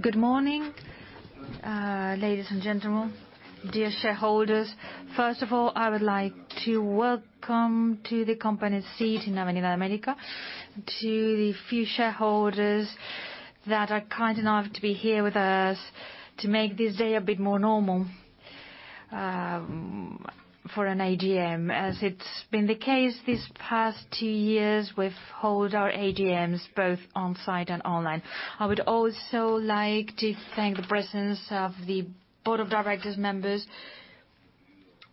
Good morning, ladies and gentlemen, dear shareholders. First of all, I would like to welcome to the company's seat in Avenida América, to the few shareholders that are kind enough to be here with us to make this day a bit more normal for an AGM. As it's been the case these past two years, we've held our AGMs both on-site and online. I would also like to thank the presence of the board of directors members.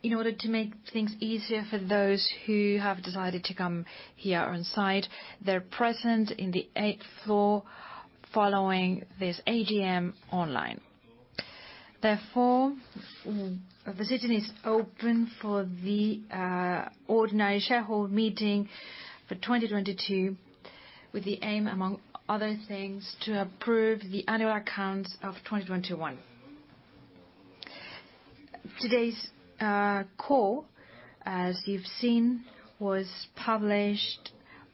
In order to make things easier for those who have decided to come here on-site, they're present in the eighth floor following this AGM online. Therefore, the session is open for the ordinary shareholder meeting for 2022, with the aim, among other things, to approve the annual accounts of 2021. Today's call, as you've seen, was published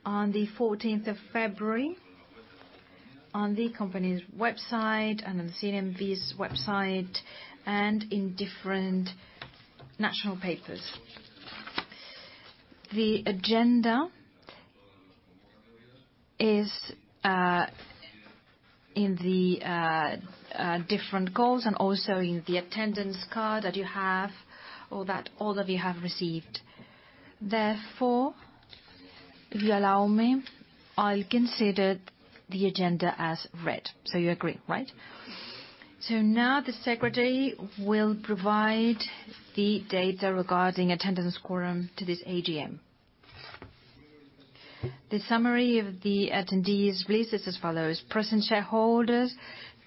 on the fourteenth of February on the company's website and on CNMV's website and in different national papers. The agenda is in the different calls and also in the attendance card that you have or that all of you have received. Therefore, if you allow me, I'll consider the agenda as read. You agree, right? Now the secretary will provide the data regarding attendance quorum to this AGM. The summary of the attendees list is as follows: Present shareholders,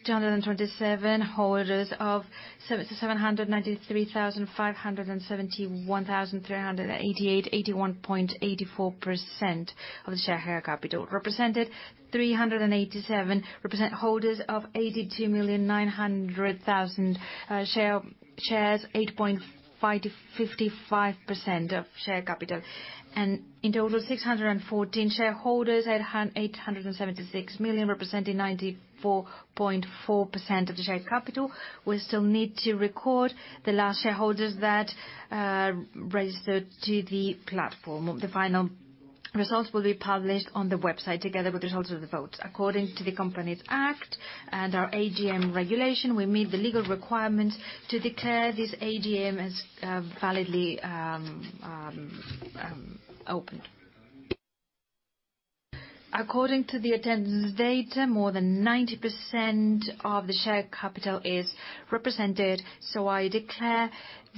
227. Holders of 793,571,388 shares, 81.84% of the share capital. Represented, 387. Represent holders of 82,900,000 shares, 8.555% of share capital. In total, 614 shareholders, 876 million, representing 94.4% of the share capital. We still need to record the last shareholders that registered to the platform. The final results will be published on the website together with results of the vote. According to the Companies Act and our AGM regulation, we meet the legal requirements to declare this AGM as validly opened. According to the attendance data, more than 90% of the share capital is represented, so I declare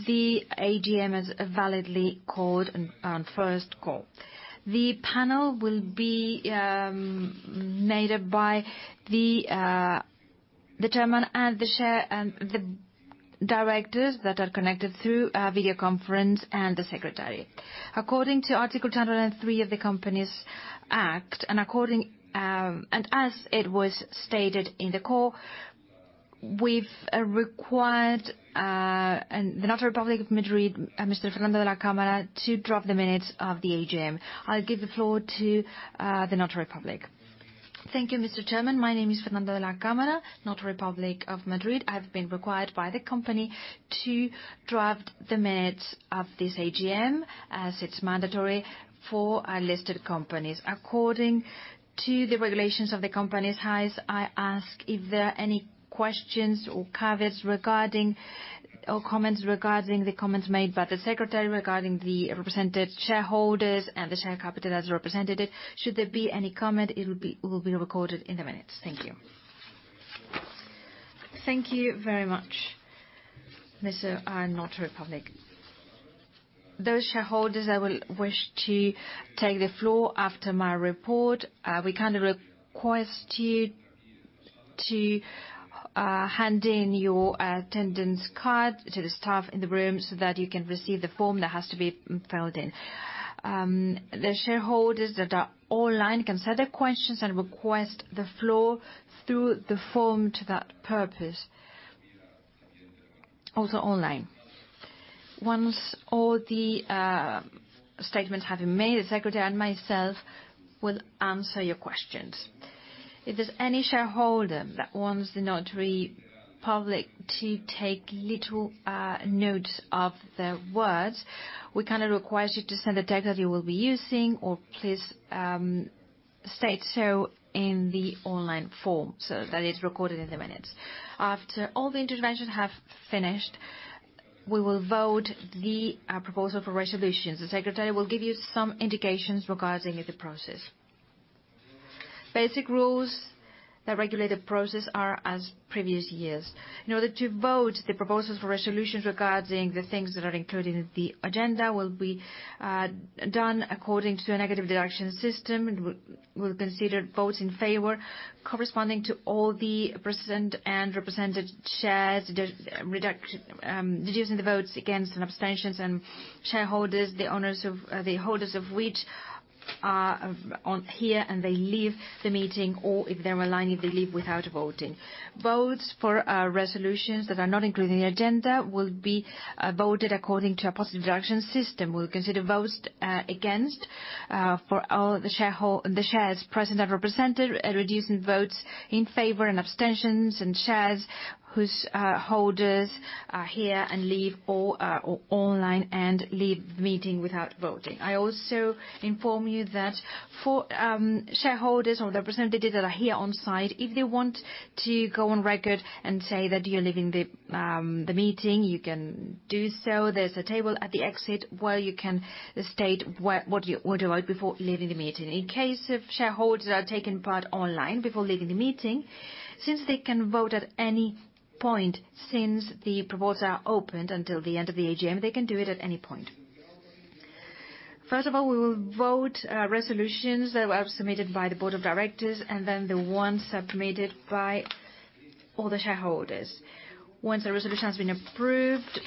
the AGM as validly called on first call. The panel will be made up by the chairman and the directors that are connected through a video conference and the secretary. According to Article 203 of the Companies Act, and as it was stated in the call, we've required the Notary Public of Madrid, Mr. Fernando de la Cámara, to draft the minutes of the AGM. I'll give the floor to the Notary Public. Thank you, Mr. Chairman. My name is Fernando de la Cámara, Notary Public of Madrid. I've been required by the company to draft the minutes of this AGM, as it's mandatory for listed companies. According to the regulations of the company's bylaws, I ask if there are any questions or caveats or comments regarding the comments made by the secretary regarding the represented shareholders and the share capital as represented. Should there be any comment, it'll be recorded in the minutes. Thank you. Thank you very much, Mr. Notary Public. Those shareholders that will wish to take the floor after my report, we kindly request you to hand in your attendance card to the staff in the room so that you can receive the form that has to be filled in. The shareholders that are online can send their questions and request the floor through the form to that purpose, also online. Once all the statements have been made, the secretary, and myself will answer your questions. If there's any shareholder that wants the Notary Public to take little notes of their words, we kindly request you to send the text that you will be using or please state so in the online form so that it's recorded in the minutes. After all the interventions have finished, we will vote the proposal for resolutions. The secretary will give you some indications regarding the process. Basic rules that regulate the process are as in previous years. Voting on the proposals for resolutions regarding the things that are included in the agenda will be done according to a negative deduction system and will consider votes in favor corresponding to all the present, and represented shares, reducing the votes against and abstentions and the shares of shareholders who are here and they leave the meeting, or if they're online, if they leave without voting. Votes for resolutions that are not included in the agenda will be voted according to a positive affirmation system. We'll consider votes against for all the shares present and represented, reducing votes in favor, and abstentions, and shares whose holders are here and leave or online and leave the meeting without voting. I also inform you that for shareholders or the representatives that are here on site, if they want to go on record and say that you're leaving the meeting, you can do so. There's a table at the exit where you can state what you want to vote before leaving the meeting. In case if shareholders are taking part online, before leaving the meeting, since they can vote at any point, since the votes are opened until the end of the AGM, they can do it at any point. First of all, we will vote resolutions that were submitted by the board of directors, and then the ones submitted by all the shareholders. Once the resolution has been approved,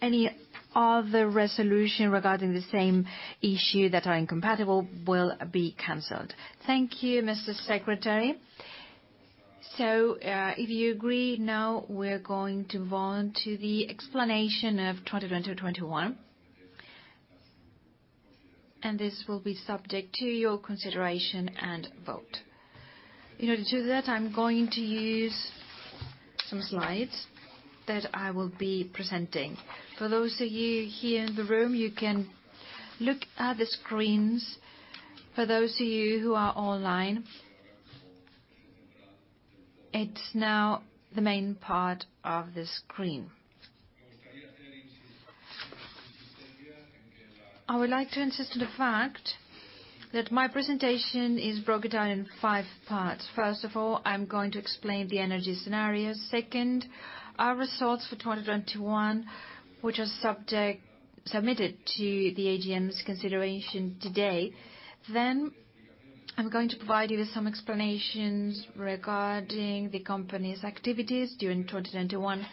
any other resolution regarding the same issue that are incompatible will be canceled. Thank you, Mr. Secretary. If you agree, now we're going to go on to the explanation of 2021. This will be subject to your consideration and vote. In order to do that, I'm going to use some slides that I will be presenting. For those of you here in the room, you can look at the screens. For those of you who are online, it's now the main part of the screen. I would like to insist on the fact that my presentation is broken down in five parts. First of all, I'm going to explain the energy scenario. Second, our results for 2021, which are submitted to the AGM's consideration today. I'm going to provide you with some explanations regarding the company's activities during 2021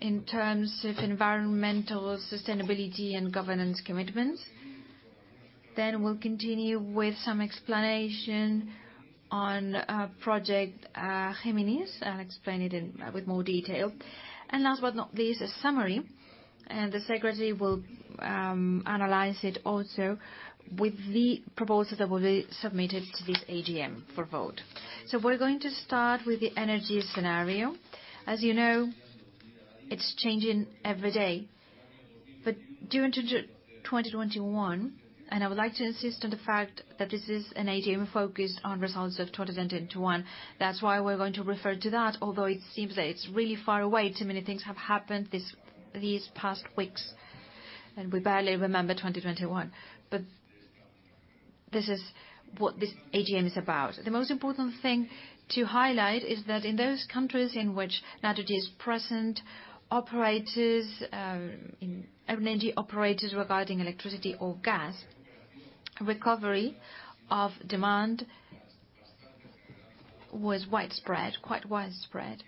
in terms of environmental sustainability and governance commitments. We'll continue with some explanation on project Géminis. I'll explain it in with more detail. Last but not least, a summary, and the secretary will analyze it also with the proposals that will be submitted to this AGM for vote. We're going to start with the energy scenario. As you know, it's changing every day. During 2021, and I would like to insist on the fact that this is an AGM focused on results of 2021. That's why we're going to refer to that, although it seems that it's really far away. Too many things have happened these past weeks, and we barely remember 2021. This is what this AGM is about. The most important thing to highlight is that in those countries in which Naturgy is present, energy operators regarding electricity or gas, recovery of demand was widespread, quite widespread.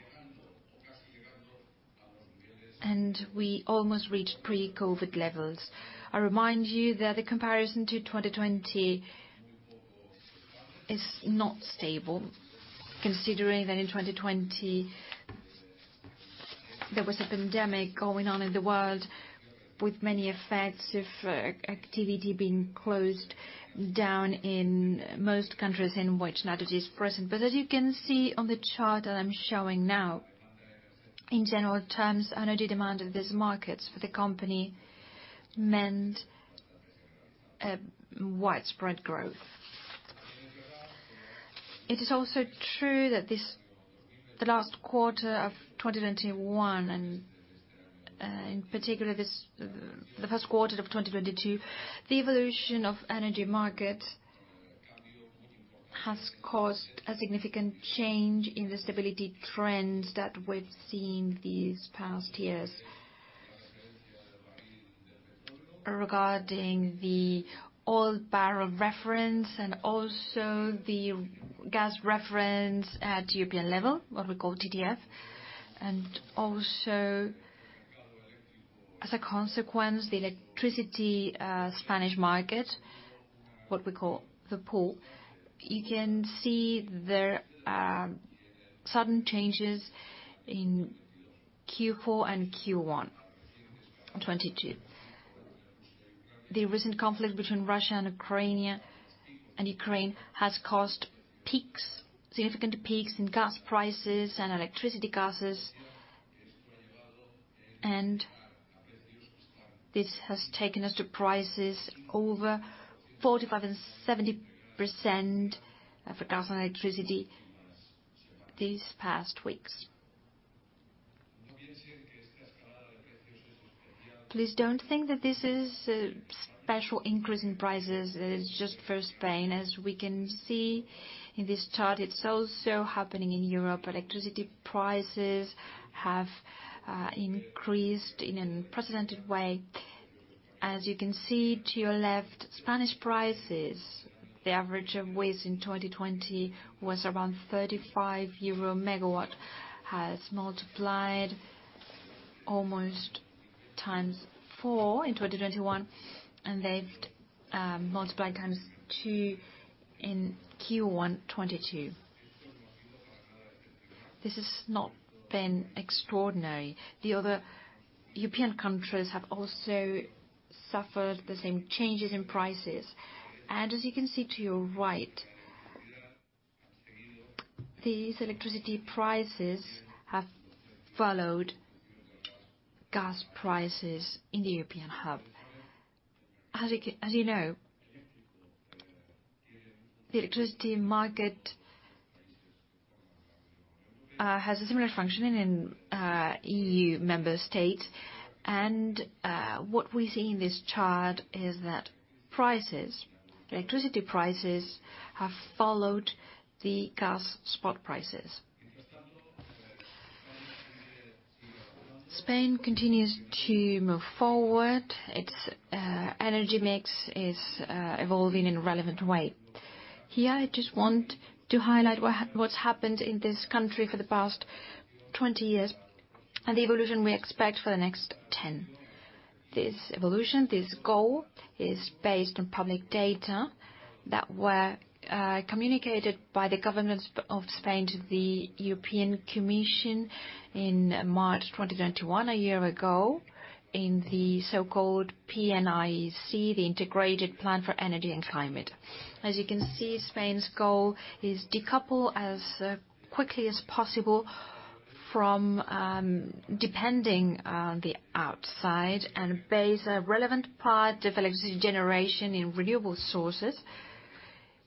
We almost reached pre-COVID levels. I remind you that the comparison to 2020 is not stable, considering that in 2020 there was a pandemic going on in the world with many effects of activity being closed down in most countries in which Naturgy is present. As you can see on the chart that I'm showing now, in general terms, energy demand in these markets for the company meant a widespread growth. It is also true that this, the last quarter of 2021, and, in particular this, the first quarter of 2022, the evolution of energy market has caused a significant change in the stability trends that we've seen these past years. Regarding the oil barrel reference and also the gas reference at European level, what we call TTF, and also as a consequence, the electricity, Spanish market, what we call the pool, you can see there sudden changes in Q4 and Q1 2022. The recent conflict between Russia and Ukraine has caused significant peaks in gas prices and electricity prices, and this has taken us to prices over 45% and 70% for gas and electricity these past weeks. Please don't think that this is a special increase in prices. It is just for Spain. As we can see in this chart, it's also happening in Europe. Electricity prices have increased in an unprecedented way. As you can see to your left, Spanish prices, the average of which in 2020 was around 35 euro per megawatt, has multiplied almost times four in 2021, and they've multiplied times two in Q1 2022. This has not been extraordinary. The other European countries have also suffered the same changes in prices. As you can see to your right, these electricity prices have followed gas prices in the European hub. As you know, the electricity market has a similar functioning in EU member state. What we see in this chart is that prices, electricity prices, have followed the gas spot prices. Spain continues to move forward. Its energy mix is evolving in a relevant way. Here, I just want to highlight what's happened in this country for the past 20 years and the evolution we expect for the next 10. This evolution, this goal, is based on public data that were communicated by the government of Spain to the European Commission in March 2021, a year ago, in the so-called PNIEC, the Integrated Plan for Energy and Climate. As you can see, Spain's goal is to decouple as quickly as possible from dependence on the outside and to base a relevant part of electricity generation in renewable sources.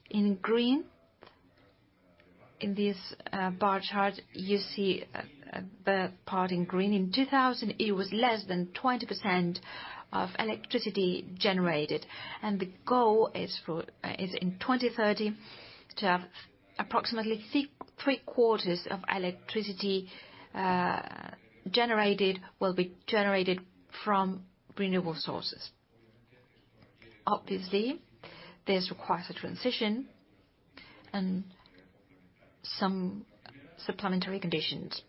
In green, in this bar chart, you see the part in green. In 2000, it was less than 20% of electricity generated, and the goal is in 2030 to have approximately three quarters of electricity generated will be generated from renewable sources. Obviously, this requires a transition and some supplementary conditions.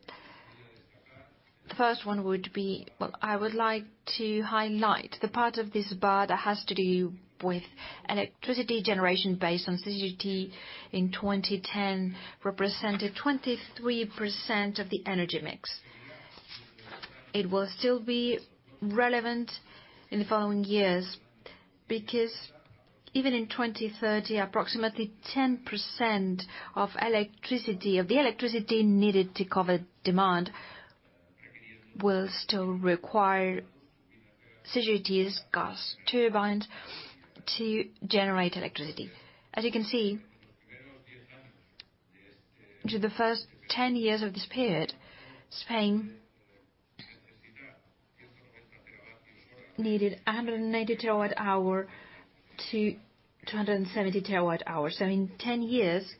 The first one would be. Well, I would like to highlight the part of this bar that has to do with electricity generation based on CCGT in 2010, represented 23% of the energy mix. It will still be relevant in the following years because even in 2030, approximately 10% of electricity, of the electricity needed to cover demand, will still require CCGTs, gas turbines, to generate electricity. As you can see, in the first 10 years of this period, Spain needed 180 terawatt-hour to 270 terawatt-hour. In 10 years,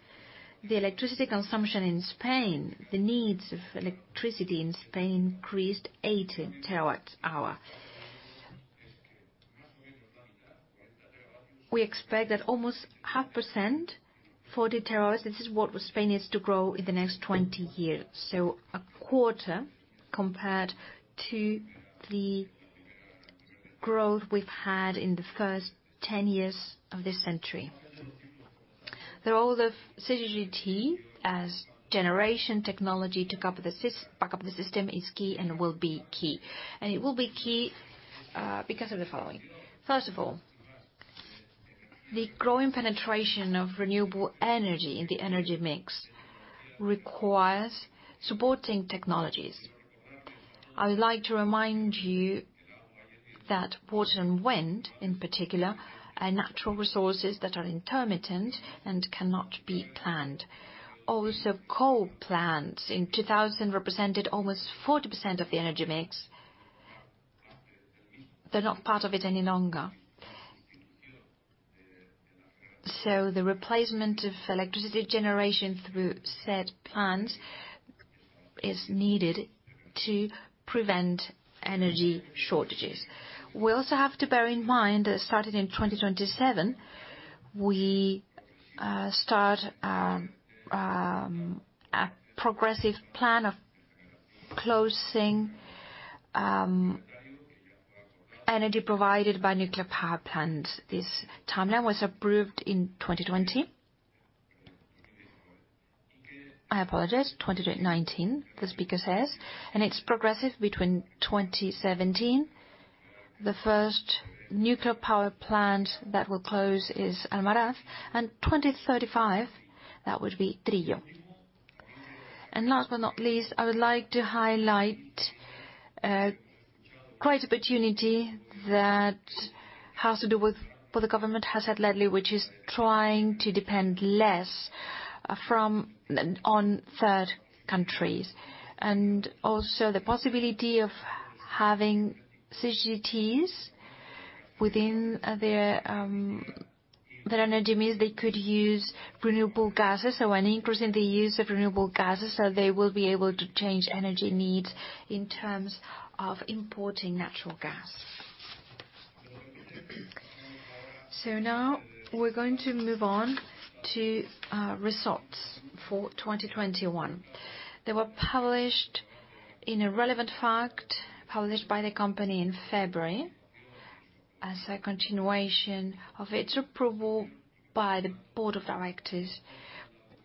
the electricity consumption in Spain, the needs of electricity in Spain increased 80 terawatt-hour. We expect that almost 0.5%, 40 terawatt-hours, this is what Spain needs to grow in the next 20 years, a quarter compared to the growth we've had in the first 10 years of this century. The role of CCGT as generation technology to back up the system is key because of the following. First of all, the growing penetration of renewable energy in the energy mix requires supporting technologies. I would like to remind you that water and wind, in particular, are natural resources that are intermittent, and cannot be planned. Also, coal plants in 2000 represented almost 40% of the energy mix. They're not part of it any longer. The replacement of electricity generation through said plants is needed to prevent energy shortages. We also have to bear in mind that starting in 2027, we start a progressive plan of closing energy provided by nuclear power plants. This timeline was approved in 2020. I apologize, 2019, the speaker says, and it's progressive between 2017, the first nuclear power plant that will close is Almaraz, and 2035, that would be Trillo. Last but not least, I would like to highlight great opportunity that has to do with what the government has said lately, which is trying to depend less on third countries, and also the possibility of having CCGTs within their energy mix. They could use renewable gases, so an increase in the use of renewable gases, so they will be able to change energy needs in terms of importing natural gas. Now we're going to move on to results for 2021. They were published in a relevant fact, published by the company in February as a continuation of its approval by the board of directors.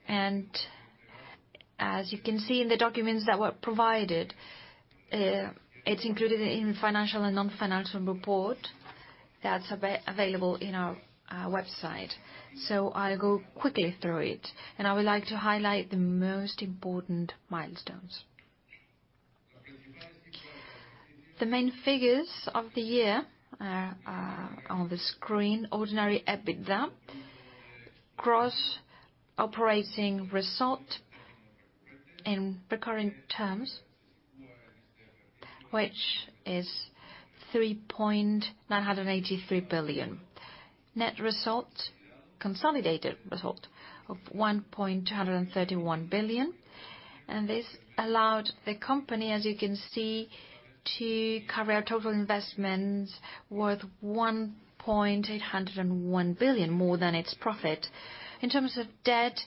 As you can see in the documents that were provided, it's included in financial and non-financial report that's available in our website. I'll go quickly through it, and I would like to highlight the most important milestones. The main figures of the year are on the screen. Ordinary EBITDA, gross operating result in recurring terms, which is 3.983 billion. Net result, consolidated result of 1.231 billion. This allowed the company, as you can see, to cover total investments worth 1.801 billion, more than its profit. In terms of debt,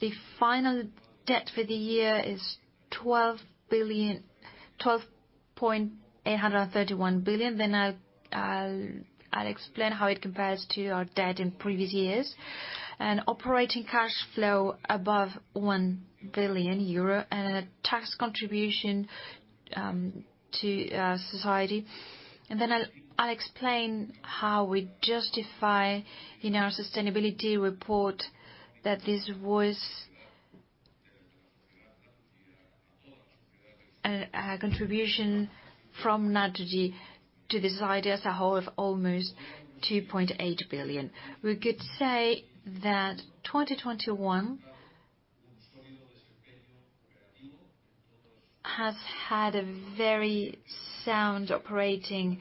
the final debt for the year is 12.831 billion. I'll explain how it compares to our debt in previous years. An operating cash flow above 1 billion euro and a tax contribution to society. I'll explain how we justify in our sustainability report that this was a contribution from Naturgy to the society as a whole of almost 2.8 billion. We could say that 2021 have had a very sound operating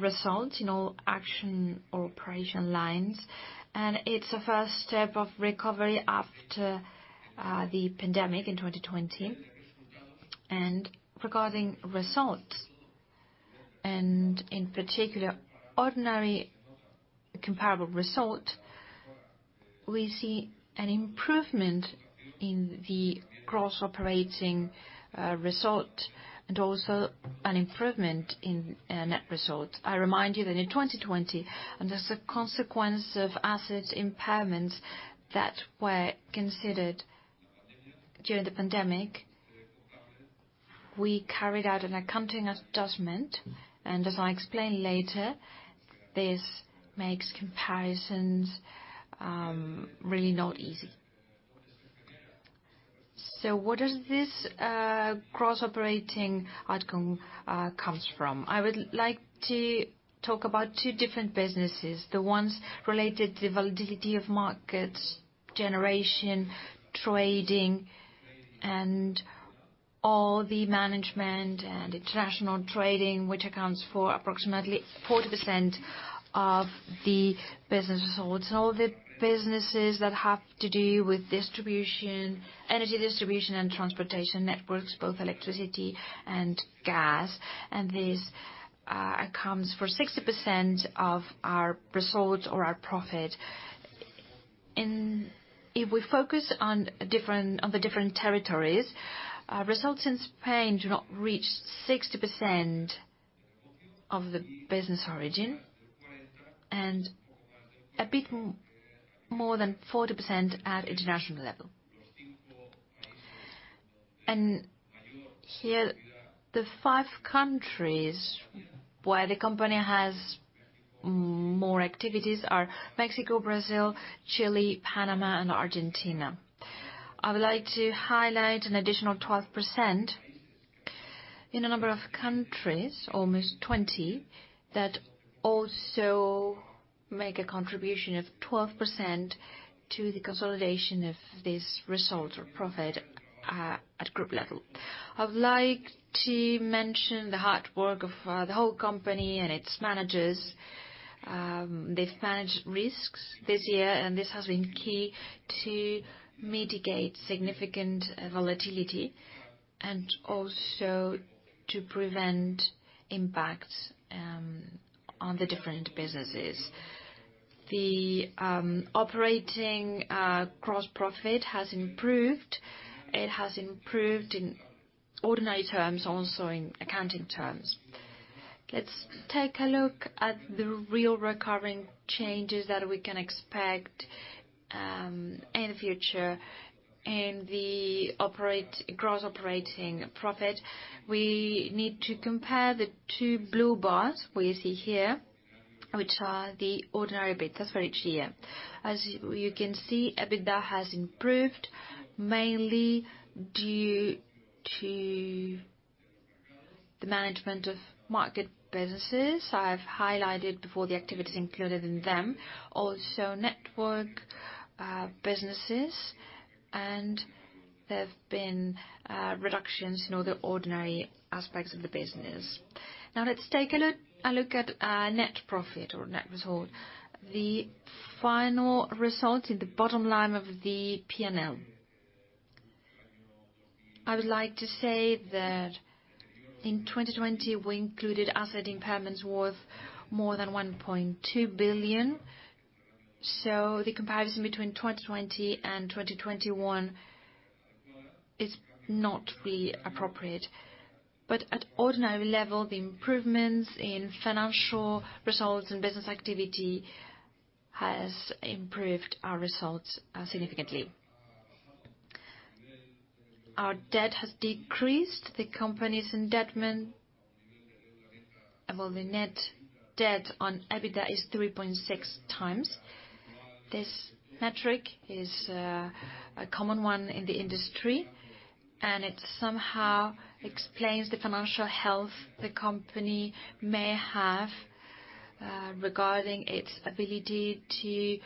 result in all areas of operation lines, and it's a first step of recovery after the pandemic in 2020. Regarding results, and in particular, ordinary comparable result, we see an improvement in the gross operating result, and also an improvement in net result. I remind you that in 2020, and as a consequence of asset impairments that were considered during the pandemic, we carried out an accounting adjustment. As I explained later, this makes comparisons really not easy. What does this cross operating outcome comes from? I would like to talk about two different businesses. The ones related to volatility of markets, generation, trading, and all the management and international trading, which accounts for approximately 40% of the business results. All the businesses that have to do with distribution, energy distribution and transportation networks, both electricity and gas, and this accounts for 60% of our results or our profit. If we focus on the different territories, results in Spain do not reach 60% of the business origin, and a bit more than 40% at international level. Here, the five countries where the company has more activities are Mexico, Brazil, Chile, Panama and Argentina. I would like to highlight an additional 12% in a number of countries, almost 20, that also make a contribution of 12% to the consolidation of this result or profit at group level. I'd like to mention the hard work of the whole company and its managers. They've managed risks this year, and this has been key to mitigate significant volatility and also to prevent impacts on the different businesses. The operating gross profit has improved. It has improved in ordinary terms, also in accounting terms. Let's take a look at the real recurring changes that we can expect in the future. In the gross operating profit, we need to compare the two blue bars we see here, which are the ordinary EBIT, that's for each year. As you can see, EBITDA has improved mainly due to the management of market businesses. I've highlighted before the activities included in them, also network businesses, and there've been reductions in all the ordinary aspects of the business. Now let's take a look at net profit or net result, the final result in the bottom line of the P&L. I would like to say that in 2020, we included asset impairments worth more than 1.2 billion. The comparison between 2020 and 2021 is not really appropriate. At ordinary level, the improvements in financial results and business activity has improved our results significantly. Our debt has decreased. Well, the net debt on EBITDA is 3.6x. This metric is a common one in the industry, and it somehow explains the financial health the company may have regarding its ability to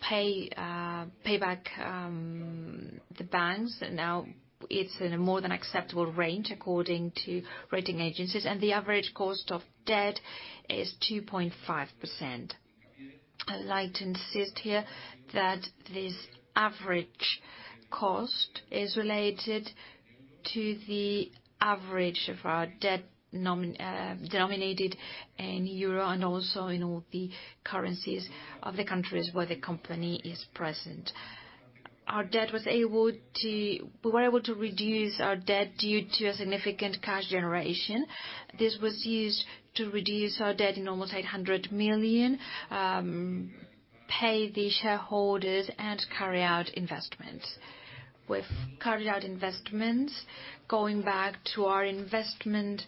pay back the banks. Now it's in a more than acceptable range according to rating agencies, and the average cost of debt is 2.5%. I'd like to insist here that this average cost is related to the average of our debt denominated in euro and also in all the currencies of the countries where the company is present. We were able to reduce our debt due to a significant cash generation. This was used to reduce our debt in almost 800 million, pay the shareholders, and carry out investments. With carried out investments, going back to our investment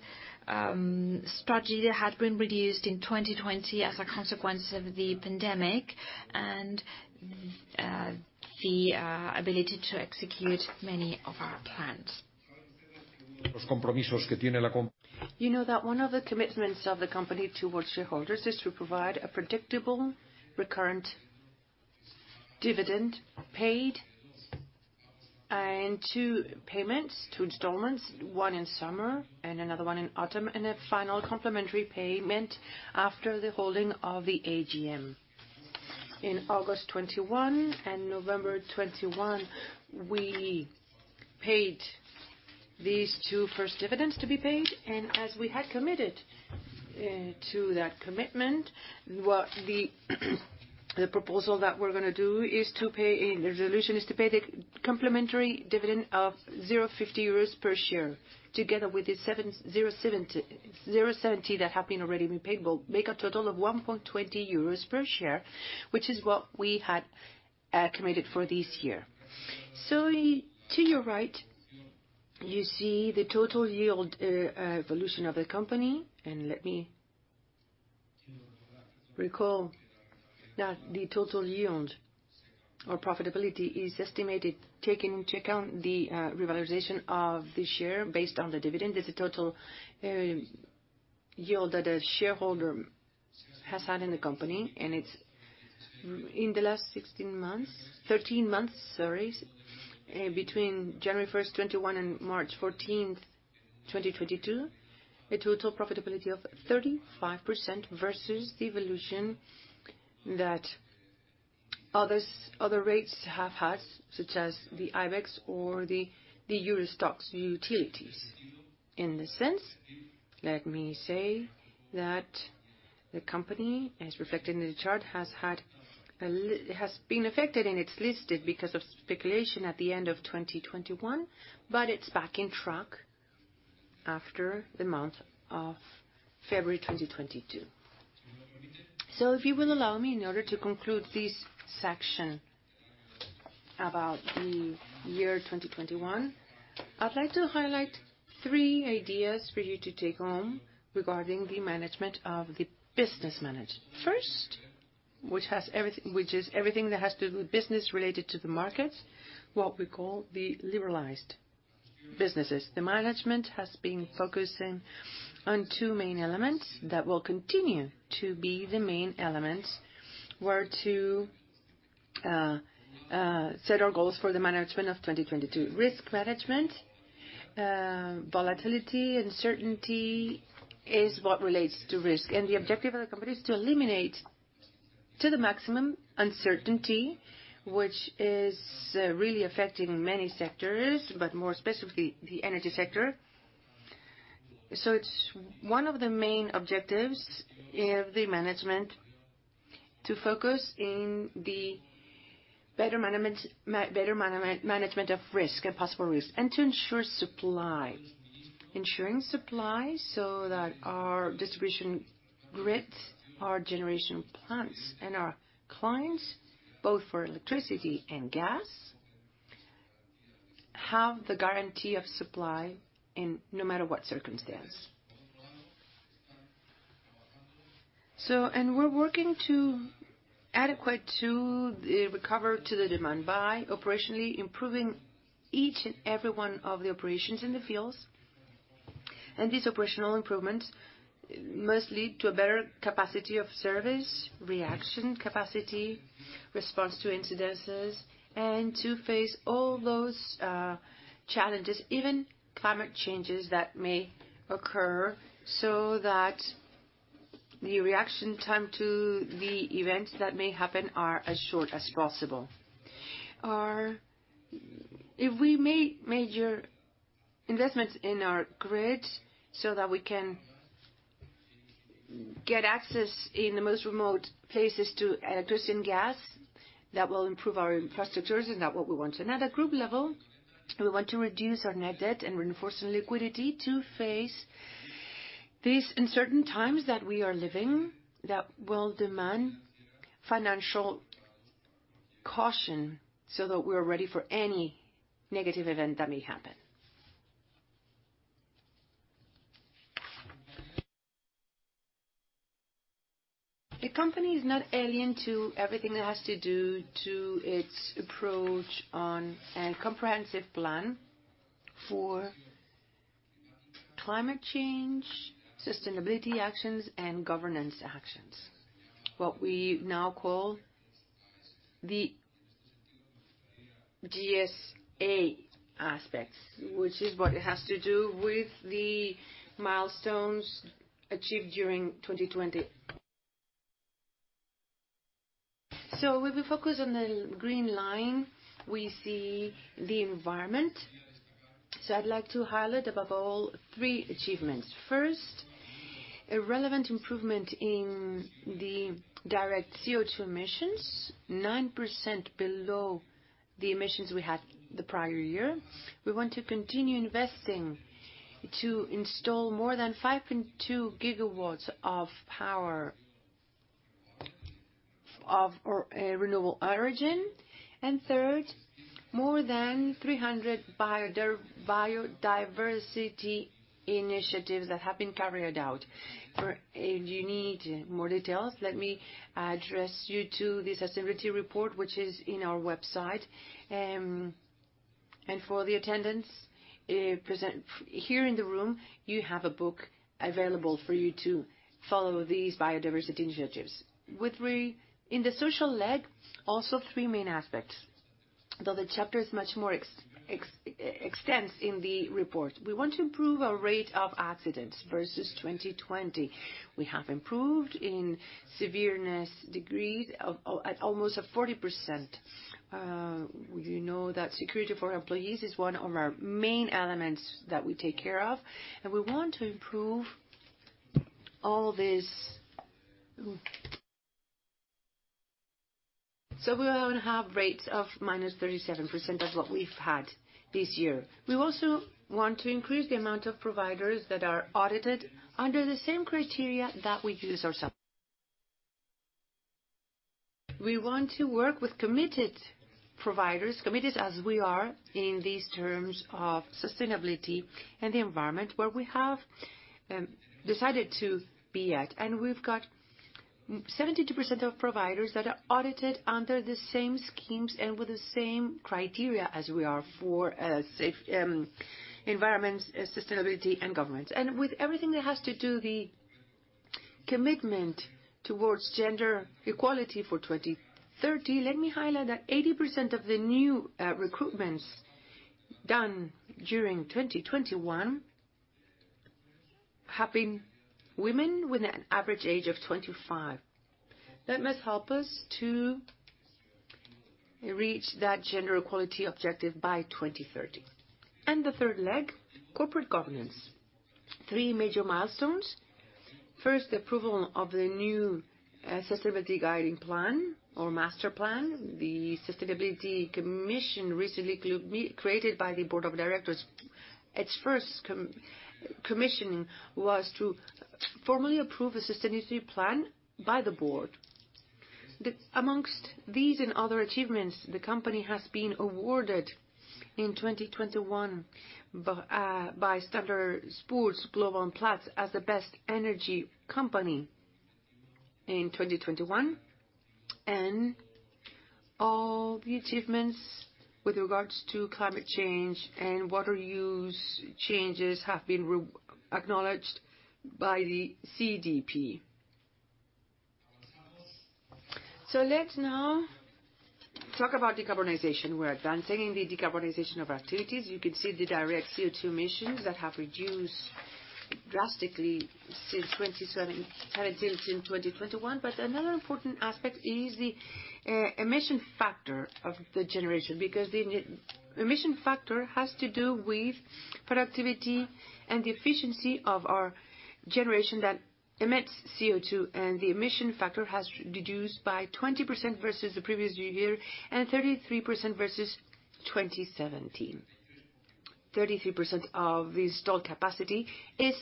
strategy that had been reduced in 2020 as a consequence of the pandemic and the ability to execute many of our plans. You know that one of the commitments of the company towards shareholders is to provide a predictable, recurrent dividend paid. Two payments, two installments, one in summer and another one in autumn, and a final complementary payment after the holding of the AGM. In August 2021 and November 2021, we paid these two first dividends. As we had committed to that commitment, the proposal that we're gonna do is to pay the complementary dividend of 0.50 euros per share, together with the 0.70 that have already been paid, will make a total of 1.20 euros per share, which is what we had committed for this year. To your right, you see the total yield evolution of the company. Let me recall that the total yield or profitability is estimated taking into account the revaluation of the share based on the dividend is the total yield that a shareholder has had in the company. It's in the last 16 months, 13 months, sorry, between January 1, 2021 and March 14, 2022, a total profitability of 35% versus the evolution that other rates have had, such as the IBEX or the EURO STOXX Utilities. In this sense, let me say that the company, as reflected in the chart, has been affected in its listing because of speculation at the end of 2021, but it's back on track after the month of February 2022. If you will allow me in order to conclude this section about the year 2021, I'd like to highlight three ideas for you to take home regarding the management of the business management. First, which has everything, which is everything that has to do with business related to the market, what we call the liberalized businesses. The management has been focusing on two main elements that will continue to be the main elements we're to set our goals for the management of 2022. Risk management, volatility, uncertainty is what relates to risk. The objective of the company is to eliminate to the maximum uncertainty, which is really affecting many sectors, but more specifically the energy sector. It's one of the main objectives of the management to focus on the better management of risk and possible risk and to ensure supply. Ensuring supply so that our distribution grid, our generation plants, and our clients, both for electricity and gas, have the guarantee of supply no matter what circumstance. We're working to adapt to the recovery of the demand by operationally improving each and every one of the operations in the fields. These operational improvements must lead to a better capacity of service, reaction capacity, response to incidents, and to face all those challenges, even climate changes that may occur, so that the reaction time to the events that may happen are as short as possible. Our If we make major investments in our grid so that we can get access in the most remote places to electricity and gas, that will improve our infrastructures, and that's what we want. At a group level, we want to reduce our net debt and reinforce the liquidity to face these uncertain times that we are living that will demand financial caution so that we're ready for any negative event that may happen. The company is not alien to everything that has to do with its approach on a comprehensive plan for climate change, sustainability actions, and governance actions. What we now call the ESG aspects, which is what it has to do with the milestones achieved during 2020. If we focus on the green line, we see the environment. I'd like to highlight, above all, three achievements. First, a relevant improvement in the direct CO2 emissions, 9% below the emissions we had the prior year. We want to continue investing to install more than 5.2 gigawatts of power of renewable origin. Third, more than 300 biodiversity initiatives that have been carried out. For, if you need more details, let me address you to the sustainability report, which is in our website. For the attendees present here in the room, you have a book available for you to follow these biodiversity initiatives. In the social leg, also three main aspects. Though the chapter is much more extensive in the report. We want to improve our rate of accidents versus 2020. We have improved in severity degree by almost a 40%. You know that security for employees is one of our main elements that we take care of, and we want to improve all this. We want to have rates of minus 37% of what we've had this year. We also want to increase the amount of providers that are audited under the same criteria that we use ourselves. We want to work with committed providers, committed as we are in these terms of sustainability and the environment where we have decided to be at. We've got 72% of providers that are audited under the same schemes and with the same criteria as we are for safe environments, sustainability and government. With everything that has to do the commitment towards gender equality for 2030, let me highlight that 80% of the new recruitments done during 2021 have been women with an average age of 25. That must help us to reach that gender equality objective by 2030. The third leg, corporate governance. Three major milestones. First, approval of the new sustainability guiding plan or master plan. The sustainability commission recently created by the board of directors. Its first commission was to formally approve the sustainability plan by the board. Amongst these and other achievements, the company has been awarded in 2021 by S&P Global Platts as the best energy company in 2021. All the achievements with regards to climate change and water use changes have been acknowledged by the CDP. Let's now talk about decarbonization. We're advancing in the decarbonization of our activities. You can see the direct CO2 emissions that have reduced drastically since 2017 until 2021. Another important aspect is the emission factor of the generation, because emission factor has to do with productivity and the efficiency of our generation that emits CO2. The emission factor has reduced by 20% versus the previous year, and 33% versus 2017. 33% of the installed capacity is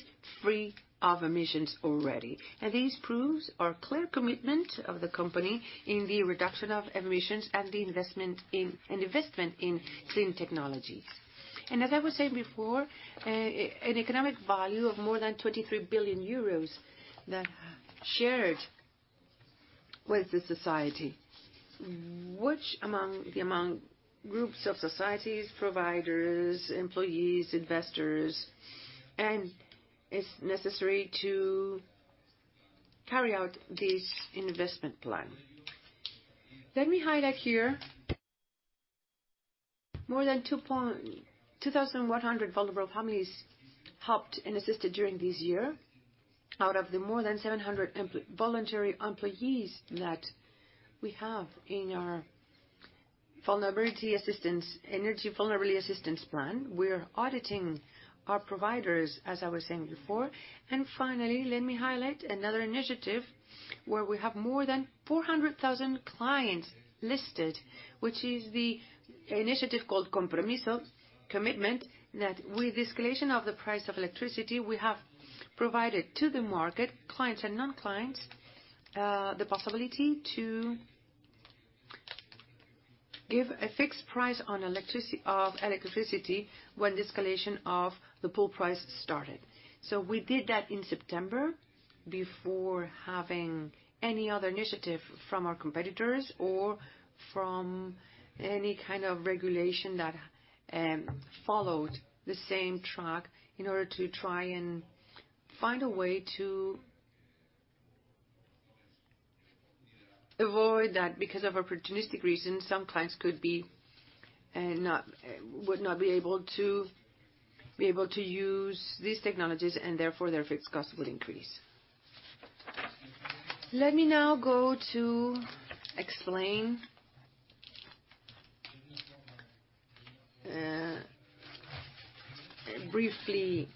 free of emissions already. This proves our clear commitment of the company in the reduction of emissions and the investment in clean technologies. As I was saying before, an economic value of more than 23 billion euros that's shared with the society, which among the groups of societies, providers, employees, investors, and it's necessary to carry out this investment plan. Let me highlight here. More than 2,100 vulnerable families helped, and assisted during this year, out of the more than 700 voluntary employees that we have in our Vulnerability Assistance, Energy Vulnerability Assistance plan. We are auditing our providers, as I was saying before. Finally, let me highlight another initiative where we have more than 400,000 clients listed, which is the initiative called Compromiso, Commitment. With the escalation of the price of electricity, we have provided to the market, clients and non-clients, the possibility to give a fixed price on electricity when the escalation of the pool price started. We did that in September before having any other initiative from our competitors or from any kind of regulation that followed the same track, in order to try and find a way to avoid that because of opportunistic reasons, some clients would not be able to use these technologies, and therefore, their fixed costs would increase. Let me now go to explain briefly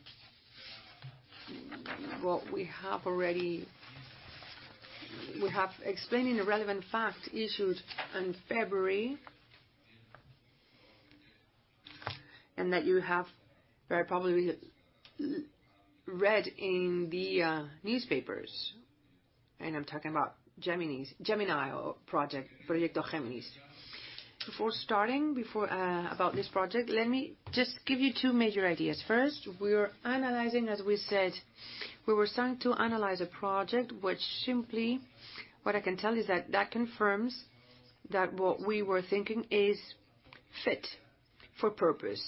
what we have already. We have explained in a relevant fact issued in February, and that you have very probably read in the newspapers, and I'm talking about Gemini project, Proyecto Géminis. Before about this project, let me just give you two major ideas. First, we are analyzing, as we said, we were starting to analyze a project which simply, what I can tell is that confirms that what we were thinking is fit for purpose.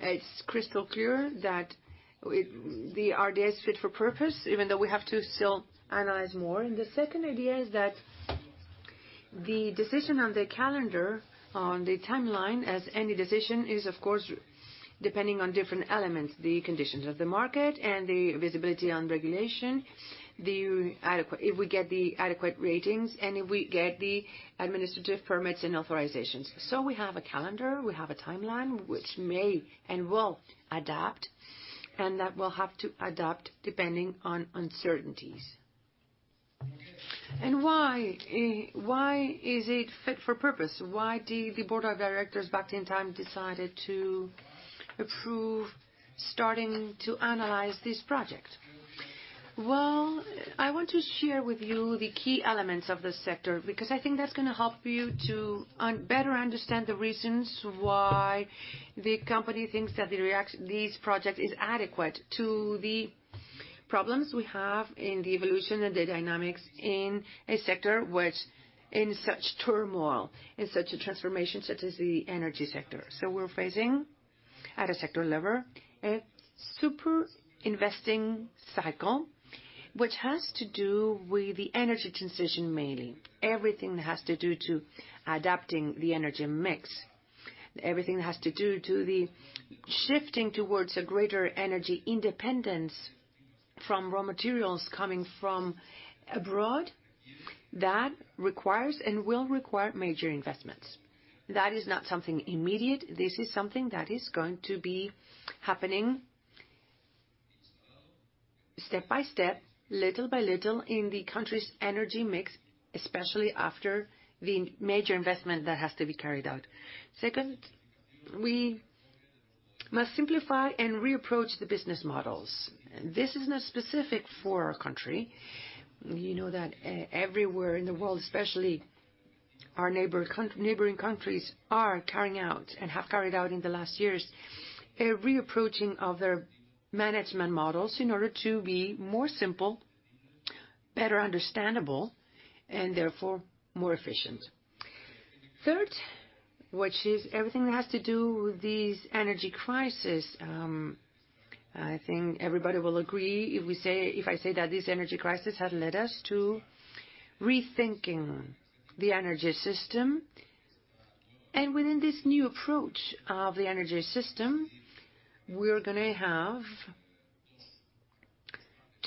It's crystal clear that it, the RDA is fit for purpose, even though we have to still analyze more. The second idea is that the decision on the calendar, on the timeline, as any decision, is of course, depending on different elements, the conditions of the market and the visibility on regulation, if we get the adequate ratings, and if we get the administrative permits and authorizations. We have a calendar, we have a timeline, which may and will adapt, and that will have to adapt depending on uncertainties. Why is it fit for purpose? Why did the board of directors back in time decided to approve starting to analyze this project? Well, I want to share with you the key elements of this sector, because I think that's gonna help you to better understand the reasons why the company thinks that this project is adequate to the problems we have in the evolution and the dynamics in a sector which in such turmoil, in such a transformation such as the energy sector. We're facing, at a sector level, a super investing cycle, which has to do with the energy transition mainly. Everything has to do to adapting the energy mix. Everything has to do to the shifting towards a greater energy independence from raw materials coming from abroad. That requires and will require major investments. That is not something immediate. This is something that is going to be happening step by step, little by little, in the country's energy mix, especially after the major investment that has to be carried out. Second, we must simplify and reapproach the business models. This is not specific for our country. You know that everywhere in the world, especially our neighboring countries, are carrying out, and have carried out in the last years, a reapproaching of their management models in order to be more simple, better understandable, and therefore, more efficient. Third, which is everything that has to do with this energy crisis. I think everybody will agree if we say, if I say that this energy crisis has led us to rethinking the energy system. Within this new approach of the energy system, we are gonna have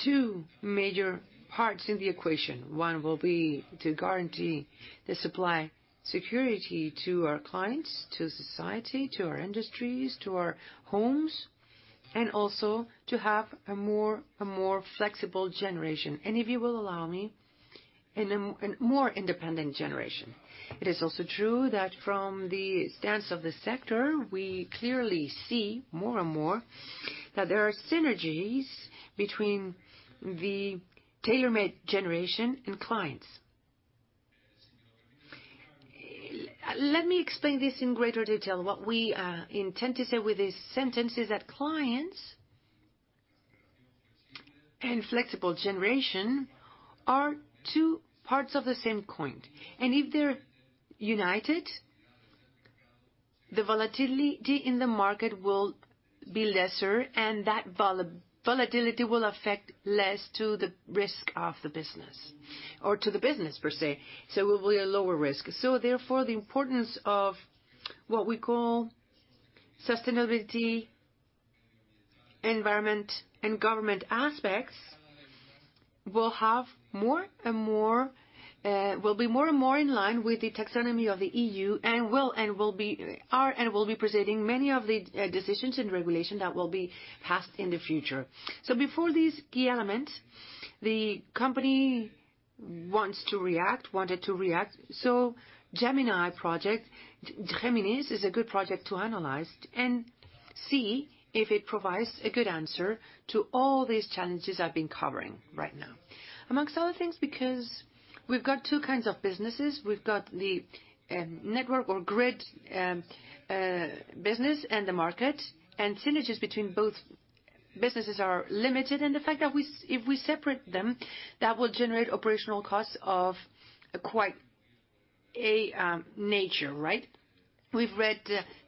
two major parts in the equation. One will be to guarantee the supply security to our clients, to society, to our industries, to our homes, and also to have a more flexible generation. If you will allow me, in more independent generation. It is also true that from the standpoint of the sector, we clearly see more and more that there are synergies between the tailor-made generation and clients. Let me explain this in greater detail. What we intend to say with this sentence is that clients and flexible generation are two parts of the same coin. If they're united, the volatility in the market will be lesser, and that volatility will affect less to the risk of the business or to the business per se. It will be a lower risk. Therefore, the importance of what we call sustainability, environment, and governance aspects will be more and more in line with the taxonomy of the EU and are and will be presenting many of the decisions and regulation that will be passed in the future. Before these key elements, the company wanted to react. Gemini project is a good project to analyze and see if it provides a good answer to all these challenges I've been covering right now. Among other things, because we've got two kinds of businesses. We've got the network or grid business and the market, and synergies between both businesses are limited. The fact that if we separate them, that will generate operational costs of quite a nature, right? We've read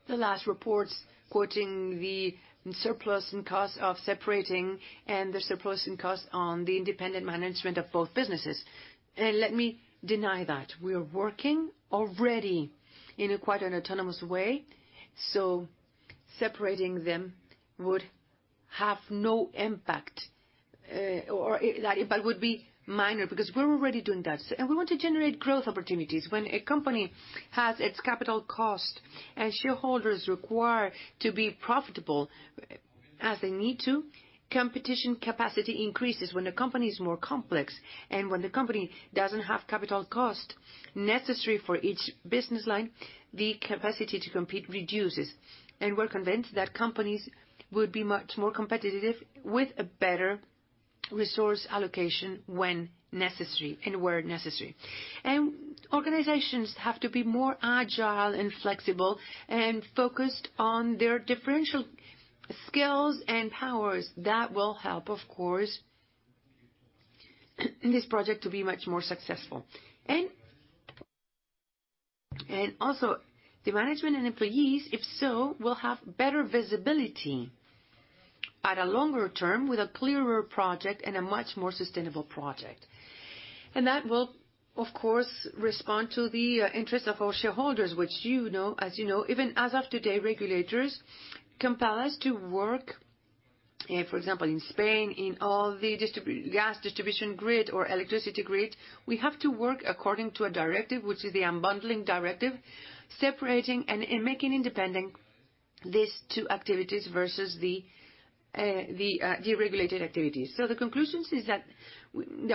the last reports quoting the surplus in costs of separating and the surplus in costs on the independent management of both businesses. Let me deny that. We are working already in quite an autonomous way, so separating them would have no impact or would be minor, because we're already doing that. We want to generate growth opportunities. When a company has its capital cost and shareholders require to be profitable, as they need to, competition capacity increases. When a company is more complex, and when the company doesn't have capital cost necessary for each business line, the capacity to compete reduces. We're convinced that companies would be much more competitive with a better resource allocation when necessary and where necessary. Organizations have to be more agile and flexible and focused on their differential skills and powers. That will help, of course, in this project to be much more successful. Also the management and employees, if so, will have better visibility at a longer term with a clearer project and a much more sustainable project. That will, of course, respond to the interest of our shareholders, which you know, as you know, even as of today, regulators compel us to work, for example, in Spain, in all the gas distribution grid or electricity grid. We have to work according to a directive, which is the Unbundling Directive, separating and making independent these two activities versus the deregulated activities. The conclusion is that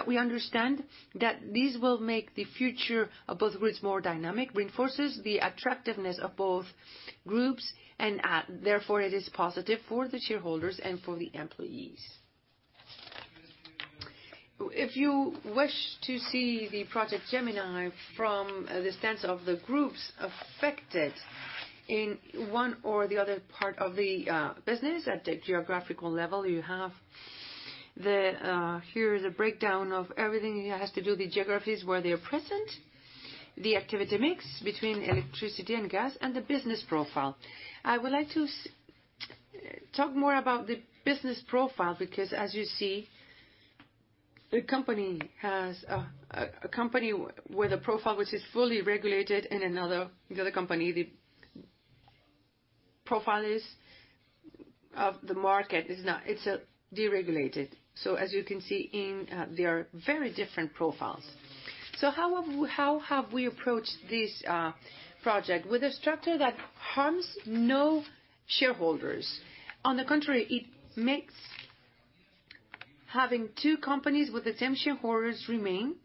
we understand that this will make the future of both grids more dynamic, reinforces the attractiveness of both groups, and therefore, it is positive for the shareholders and for the employees. If you wish to see the project Gemini from the stance of the groups affected in one or the other part of the business at the geographical level. Here is a breakdown of everything that has to do with the geographies where they are present, the activity mix between electricity and gas, and the business profile. I would like to talk more about the business profile, because as you see, the company has a profile which is fully regulated, and the other company, the profile is of the market. It's not, it's deregulated. As you can see, they are very different profiles. How have we approached this project? With a structure that harms no shareholders. On the contrary, it makes having two companies with the same shareholders remain,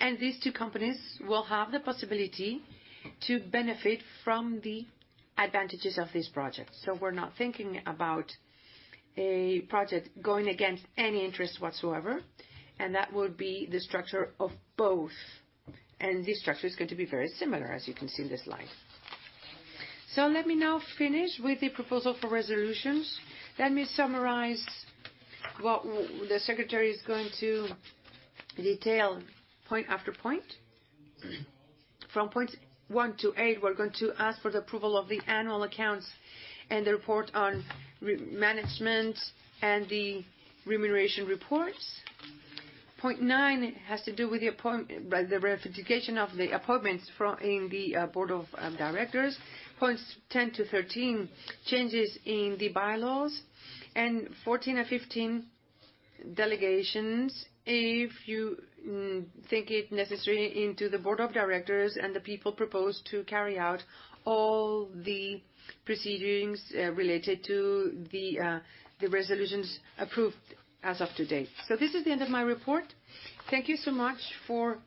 and these two companies will have the possibility to benefit from the advantages of this project. We're not thinking about a project going against any interest whatsoever, and that will be the structure of both. This structure is going to be very similar, as you can see in this slide. Let me now finish with the proposal for resolutions. Let me summarize what the secretary is going to detail point after point. From point 1-8, we're going to ask for the approval of the annual accounts and the report on management and the remuneration reports. Point 9 has to do with the ratification of the appointments in the Board of Directors. Points 10-13, changes in the bylaws. and 14/15, delegations, if you think it necessary, into the board of directors and the people proposed to carry out all the proceedings related to the resolutions approved as of today. This is the end of my report. Thank you so much for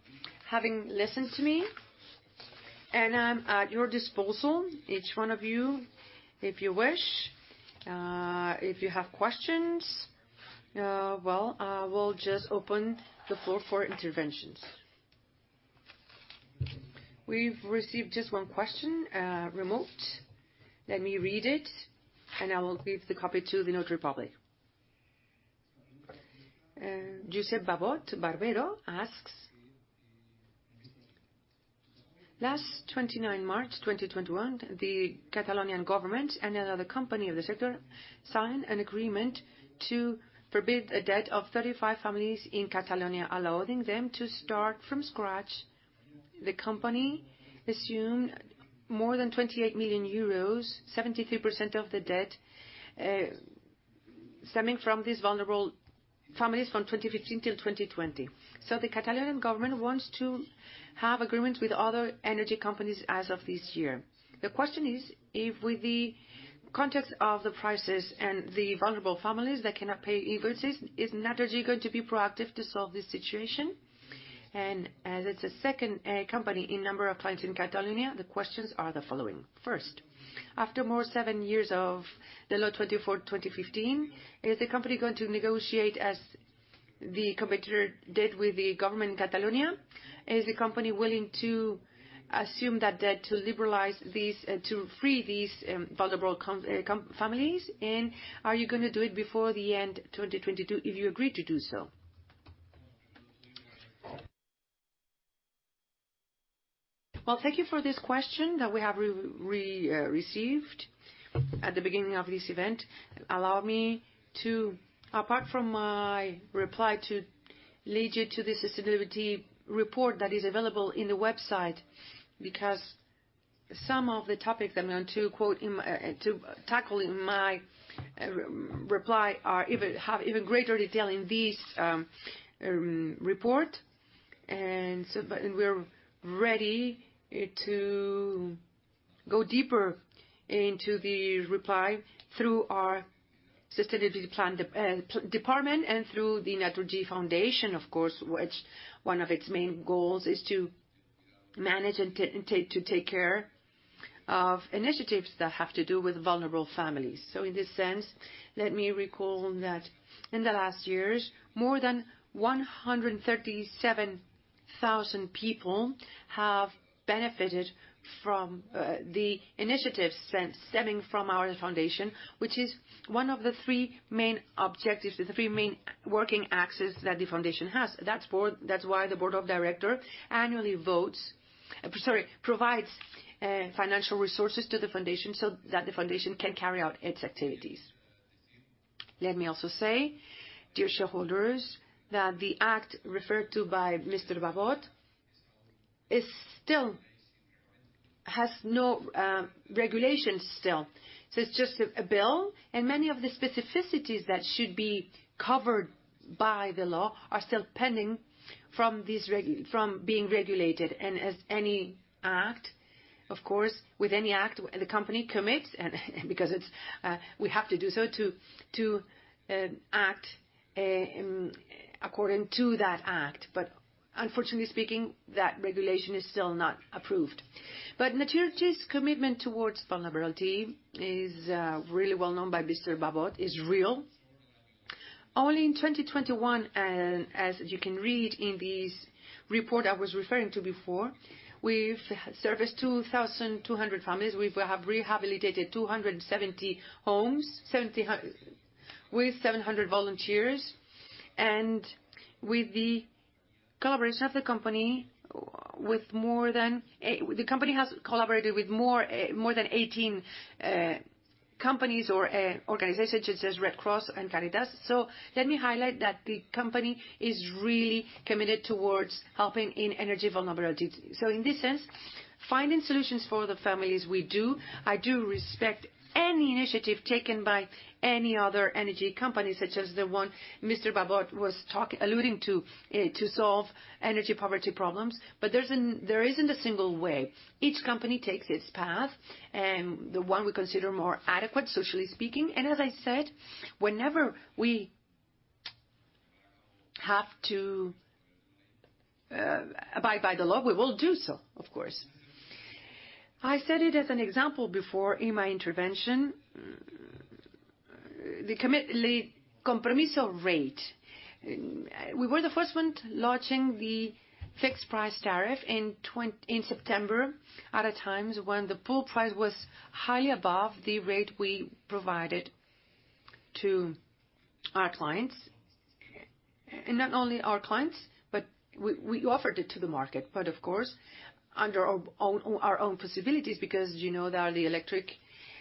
having listened to me, and I'm at your disposal, each one of you, if you wish. If you have questions, we'll just open the floor for interventions. We've received just one question, remote. Let me read it, and I will give the copy to the notary public. Josep Babot Barbero asks, 29 March 2021, the Catalan government and another company of the sector signed an agreement to forgive a debt of 35 families in Catalonia, allowing them to start from scratch. The company assumed more than 28 million euros, 73% of the debt, stemming from these vulnerable families from 2015 till 2020. The Catalan government wants to have agreements with other energy companies as of this year. The question is, if with the context of the prices and the vulnerable families that cannot pay invoices, is Naturgy going to be proactive to solve this situation? As it's the second company in number of clients in Catalonia, the questions are the following. First, after more than seven years of the Ley 24/2015, is the company going to negotiate as the competitor did with the government in Catalonia? Is the company willing to assume that debt to free these vulnerable families? Are you gonna do it before the end 2022, if you agree to do so? Well, thank you for this question that we have received at the beginning of this event. Allow me to, apart from my reply, to lead you to the sustainability report that is available in the website, because some of the topics I'm going to tackle in my reply have even greater detail in this report. We're ready to go deeper into the reply through our sustainability department and through the Naturgy Foundation, of course, which one of its main goals is to manage and take care of initiatives that have to do with vulnerable families. In this sense, let me recall that in the last years, more than 137,000 people have benefited from the initiatives stemming from our foundation, which is one of the three main objectives, the three main working axes that the foundation has. That's why the board of directors annually provides financial resources to the foundation, so that the foundation can carry out its activities. Let me also say, dear shareholders, that the act referred to by Mr. Babot is still has no regulation still. It's just a bill, and many of the specificities that should be covered by the law are still pending from being regulated. As any act, of course, with any act, the company commits, and because it's, we have to do so to, act according to that act. Unfortunately speaking, that regulation is still not approved. Naturgy's commitment towards vulnerability is really well known by Mr. Babot, is real. Only in 2021, as you can read in this report I was referring to before, we've serviced 2,200 families. We have rehabilitated 270 homes with 700 volunteers. With the collaboration of the company, the company has collaborated with more than 18 companies or organizations such as Red Cross and Cáritas. Let me highlight that the company is really committed towards helping in energy vulnerability. In this sense, finding solutions for the families we do. I do respect any initiative taken by any other energy company, such as the one Mr. Babot was alluding to solve energy poverty problems. There isn't a single way. Each company takes its path, the one we consider more adequate, socially speaking. As I said, whenever we have to abide by the law, we will do so, of course. I said it as an example before in my intervention, the Compromiso rate. We were the first one launching the fixed price tariff in September, at a time when the pool price was highly above the rate we provided to our clients. Not only our clients, but we offered it to the market. Of course, under our own possibilities, because you know that the electric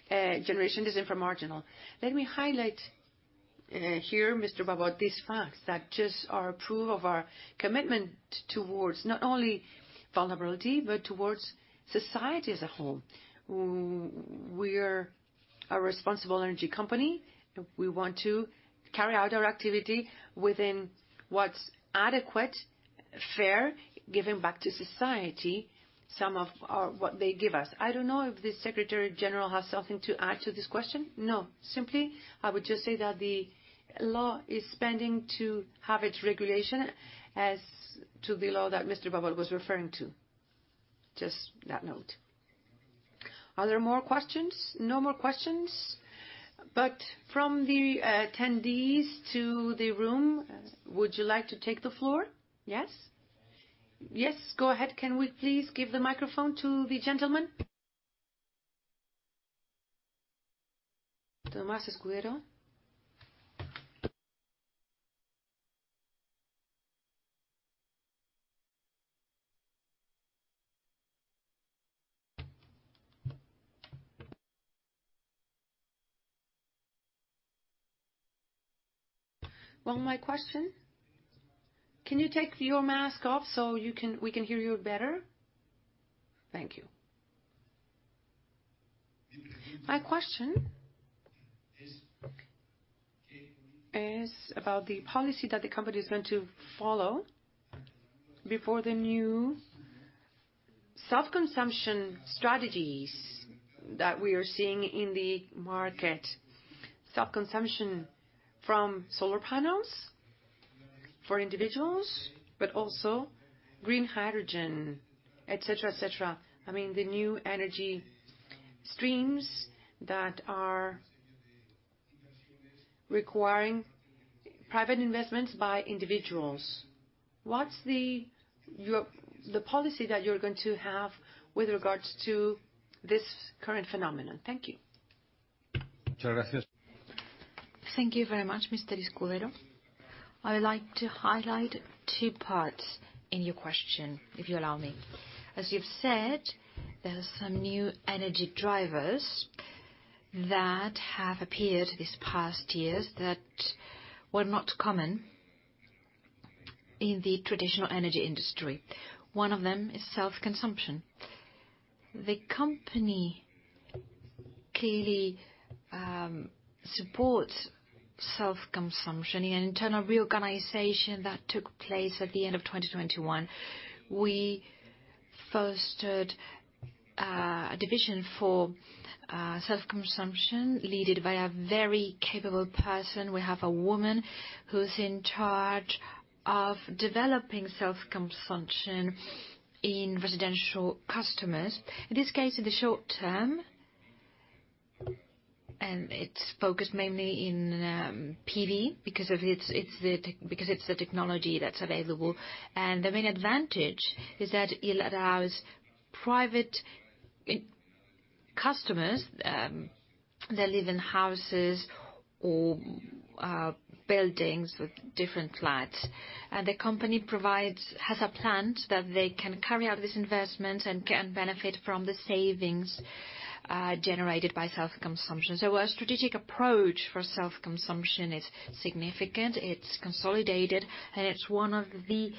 generation is inframarginal. Let me highlight here, Mr. Babot, these facts that just are proof of our commitment towards not only vulnerability, but towards society as a whole. We're a responsible energy company. We want to carry out our activity within what's adequate, fair, giving back to society some of our, what they give us. I don't know if the Secretary General has something to add to this question. No. Simply, I would just say that the law is pending to have its regulation as to the law that Mr. Babot was referring to. Just that note. Are there more questions? No more questions. From the attendees in the room, would you like to take the floor? Yes? Yes, go ahead. Can we please give the microphone to the gentleman? Tomás Escudero. Well, my question. Can you take your mask off so you can, we can hear you better? Thank you. My question is about the policy that the company is going to follow before the new self-consumption strategies that we are seeing in the market. Self-consumption from solar panels for individuals, but also green hydrogen, et cetera, et cetera. I mean, the new energy streams that are requiring private investments by individuals. What's your policy that you're going to have with regards to this current phenomenon? Thank you. Thank you very much, Mr. Escudero. I would like to highlight two parts in your question, if you allow me. As you've said, there are some new energy drivers that have appeared these past years that were not common in the traditional energy industry. One of them is self-consumption. The company clearly supports self-consumption. In an internal reorganization that took place at the end of 2021, we fostered a division for self-consumption, led by a very capable person. We have a woman who's in charge of developing self-consumption in residential customers. In this case, in the short term, and it's focused mainly in PV because it's the technology that's available. The main advantage is that it allows private customers that live in houses or buildings with different flats, and the company provides a plan that they can carry out this investment and can benefit from the savings generated by self-consumption. Our strategic approach for self-consumption is significant, it's consolidated, and it's one of the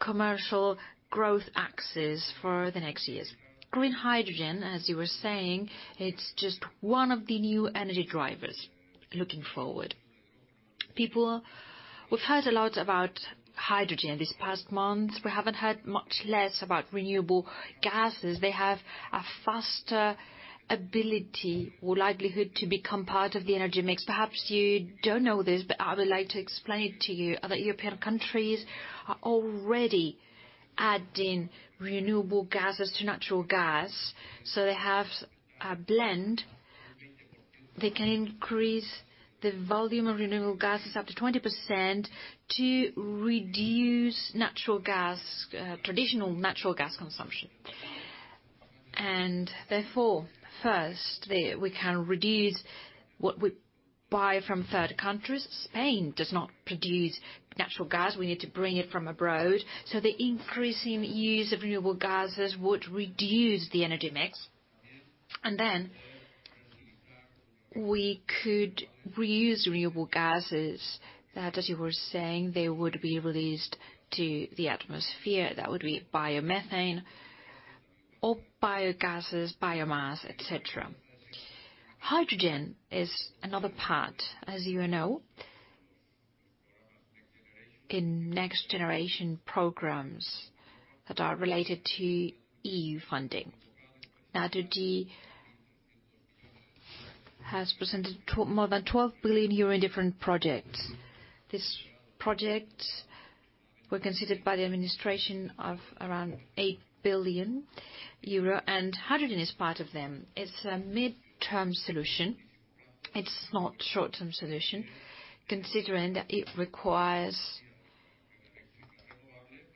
commercial growth axes for the next years. Green hydrogen, as you were saying, it's just one of the new energy drivers looking forward. We've heard a lot about hydrogen these past months. We haven't heard as much about renewable gases. They have a faster ability or likelihood to become part of the energy mix. Perhaps you don't know this, but I would like to explain it to you. Other European countries are already adding renewable gases to natural gas, so they have a blend. They can increase the volume of renewable gases up to 20% to reduce natural gas, traditional natural gas consumption. Therefore, first, the, we can reduce what we buy from third countries. Spain does not produce natural gas. We need to bring it from abroad. The increasing use of renewable gases would reduce the energy mix. Then we could reuse renewable gases that, as you were saying, they would be released to the atmosphere. That would be biomethane or biogases, biomass, et cetera. Hydrogen is another part, as you know, in Next Generation EU programs that are related to EU funding. Naturgy has presented more than 12 billion euro in different projects. These projects were considered by the administration of around 8 billion euro, and hydrogen is part of them. It's a midterm solution. It's not a short-term solution, considering that it requires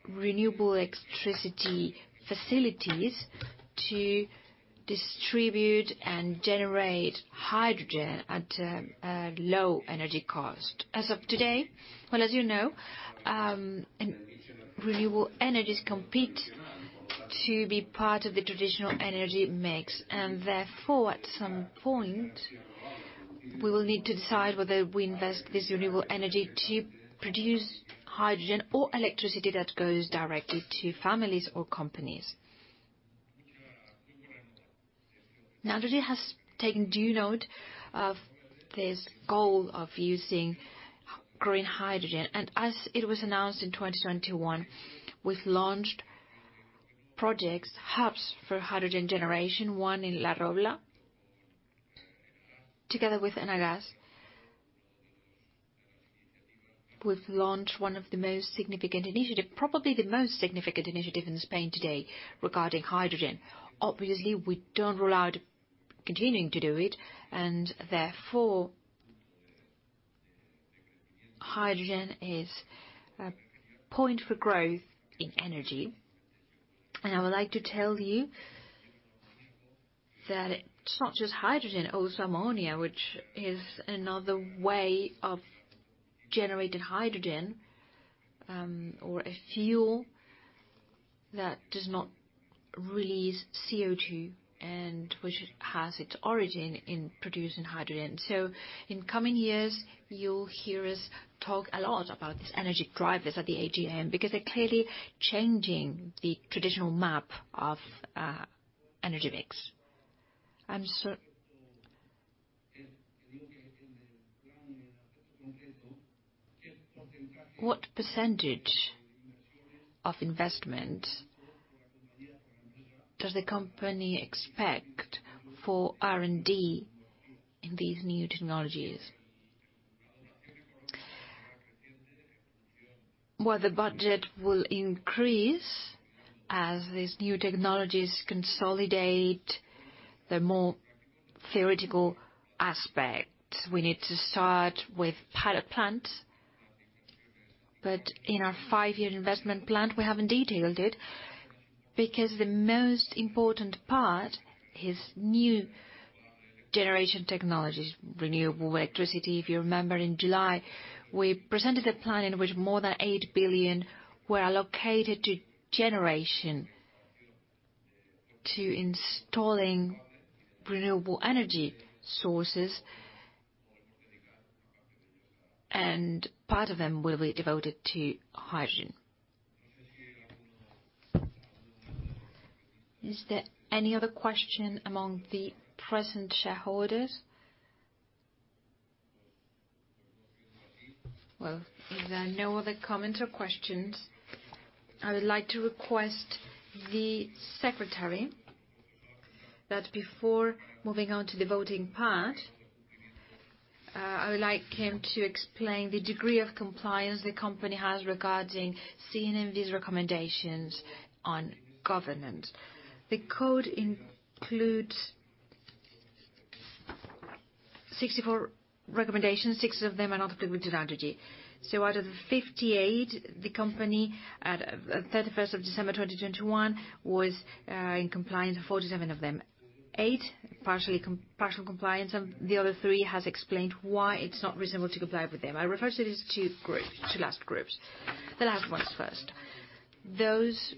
renewable electricity facilities to distribute and generate hydrogen at a low energy cost. As of today, well, as you know, renewable energies compete to be part of the traditional energy mix. Therefore, at some point, we will need to decide whether we invest this renewable energy to produce hydrogen or electricity that goes directly to families or companies. Naturgy has taken due note of this goal of using green hydrogen. As it was announced in 2021, we've launched projects, hubs for hydrogen generation, one in La Robla, together with Enagás. We've launched one of the most significant initiative, probably the most significant initiative in Spain today regarding hydrogen. Obviously, we don't rule out continuing to do it, and therefore hydrogen is a point for growth in energy, and I would like to tell you that it's not just hydrogen, also ammonia, which is another way of generating hydrogen, or a fuel that does not release CO2 and which has its origin in producing hydrogen. In coming years, you'll hear us talk a lot about these energy drivers at the AGM, because they're clearly changing the traditional map of energy mix. What percentage of investment does the company expect for R&D in these new technologies? Well, the budget will increase as these new technologies consolidate the more theoretical aspect. We need to start with pilot plant. In our five-year investment plan, we haven't detailed it because the most important part is new generation technologies, renewable electricity. If you remember, in July, we presented a plan in which more than 8 billion were allocated to generation, to installing renewable energy sources, and part of them will be devoted to hydrogen. Is there any other question among the present shareholders? Well, if there are no other comments or questions, I would like to request the secretary that before moving on to the voting part, I would like him to explain the degree of compliance the company has regarding CNMV's recommendations on governance. The code includes 64 recommendations. six of them are not applicable to Naturgy. Out of the 58, the company at 31 December 2021 was in compliance with 47 of them. eight partial compliance, and the other three has explained why it's not reasonable to comply with them. I refer to these two last groups. The last ones first. Those,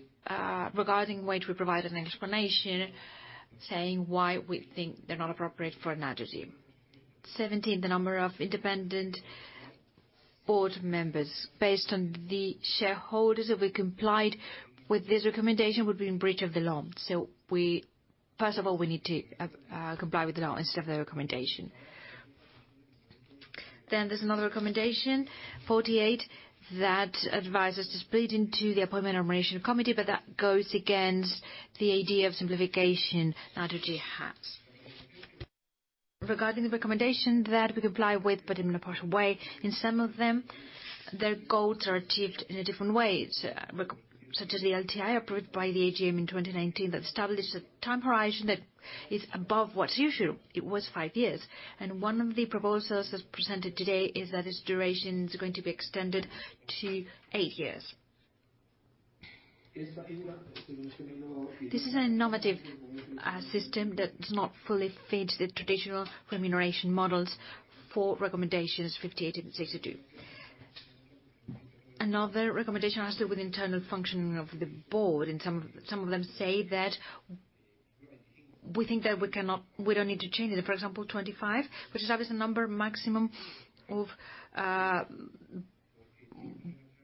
regarding which we provide an explanation saying why we think they're not appropriate for Naturgy. 17, the number of independent board members. Based on the shareholders, if we complied with this recommendation, we'd be in breach of the law. First of all, we need to comply with the law instead of the recommendation. Then there's another recommendation, 48, that advises to split into the appointment nomination committee, but that goes against the idea of simplification Naturgy has. Regarding the recommendation that we comply with, but in a partial way, in some of them, their goals are achieved in a different way. It's such as the LTI approved by the AGM in 2019 that established a time horizon that is above what's usual. It was 5 years. One of the proposals that's presented today is that its duration is going to be extended to 8 years. This is a normative system that does not fully fit the traditional remuneration models for recommendations 58 and 62. Another recommendation has to do with internal functioning of the board, and some of them say that we think that we cannot. We don't need to change it. For example, 25, which establishes the maximum number of boards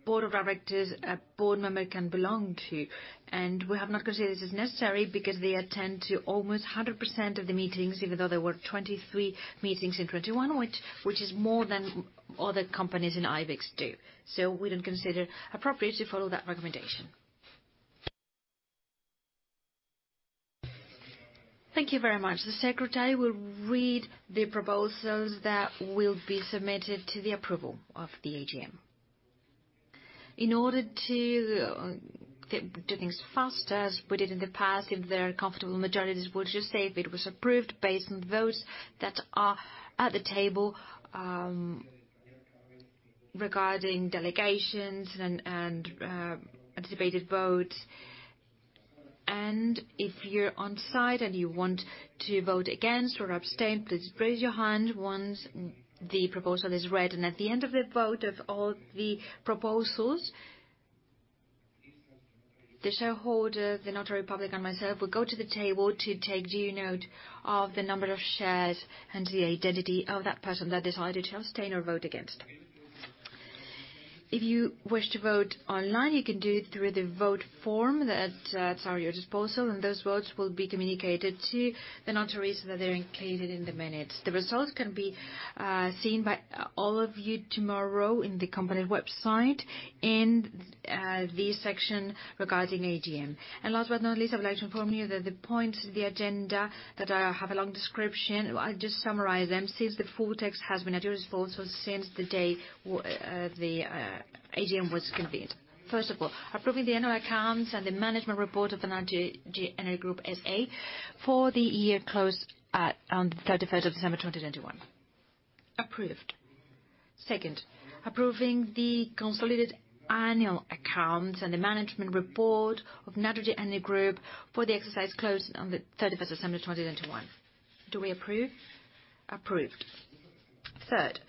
of directors a board member can belong to. We have not considered this as necessary because they attend almost 100% of the meetings, even though there were 23 meetings in 2021, which is more than other companies in IBEX do. We don't consider appropriate to follow that recommendation. Thank you very much. The secretary will read the proposals that will be submitted to the approval of the AGM. In order to do things faster as we did in the past, if there are comfortable majorities, we'll just say if it was approved based on votes that are at the table, regarding delegations and anticipated votes. If you're on site and you want to vote against or abstain, please raise your hand once the proposal is read. At the end of the vote of all the proposals, the shareholder, the notary public, and myself will go to the table to take due note of the number of shares and the identity of that person that decided to abstain or vote against. If you wish to vote online, you can do it through the vote form that that's at your disposal, and those votes will be communicated to the notaries, so that they're included in the minutes. The results can be seen by all of you tomorrow in the company website in the section regarding AGM. Last but not least, I would like to inform you that the points of the agenda that have a long description, I'll just summarize them since the full text has been at your disposal since the day the AGM was convened. First of all, approving the annual accounts and the management report of the Naturgy Energy Group, S.A. for the year closed on the 31st of December 2021. Approved. Second, approving the consolidated annual accounts and the management report of Naturgy Energy Group for the exercise closed on the thirty-first of December 2021. Do we approve? Approved.Third,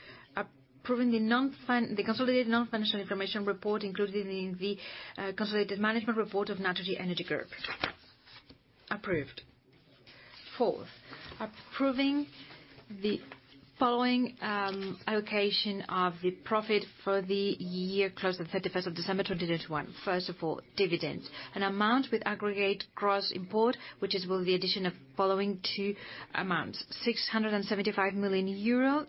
approving the consolidated non-financial information report included in the consolidated management report of Naturgy Energy Group.Approved.Fourth, approving the following allocation of the profit for the year closed on thirty-first of December 2021. First of all, dividends. An amount with aggregate gross amount, which is the addition of following two amounts: 675 million euro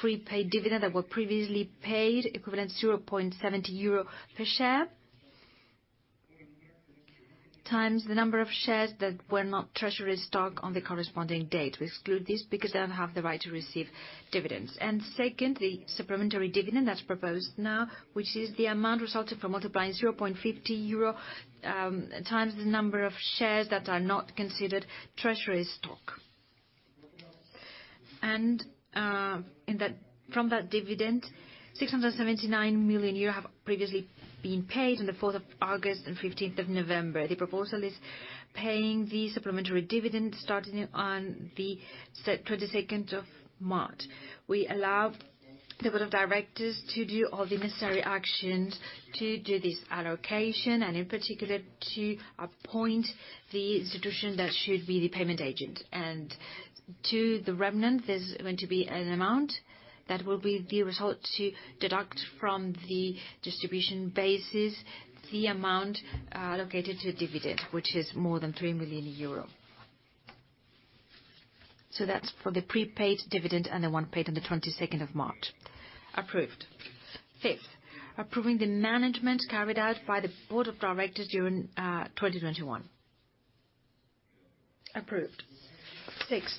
prepaid dividend that were previously paid, equivalent 0.70 euro per share, times the number of shares that were not treasury stock on the corresponding date. We exclude this because they don't have the right to receive dividends. Second, the supplementary dividend that's proposed now, which is the amount resulted from multiplying 0.50 euro times the number of shares that are not considered treasury stock. From that dividend, 679 million euro have previously been paid on the fourth of August and fifteenth of November. The proposal is paying the supplementary dividend starting on the twenty-second of March. We allow the board of directors to do all the necessary actions to do this allocation, and in particular, to appoint the institution that should be the payment agent. To the remnant, there's going to be an amount that will be the result to deduct from the distribution basis the amount allocated to the dividend, which is more than 3 million euro. That's for the prepaid dividend and the one paid on the twenty-second of March.Approved. Fifth, approving the management carried out by the board of directors during 2021.Approved.Sixth,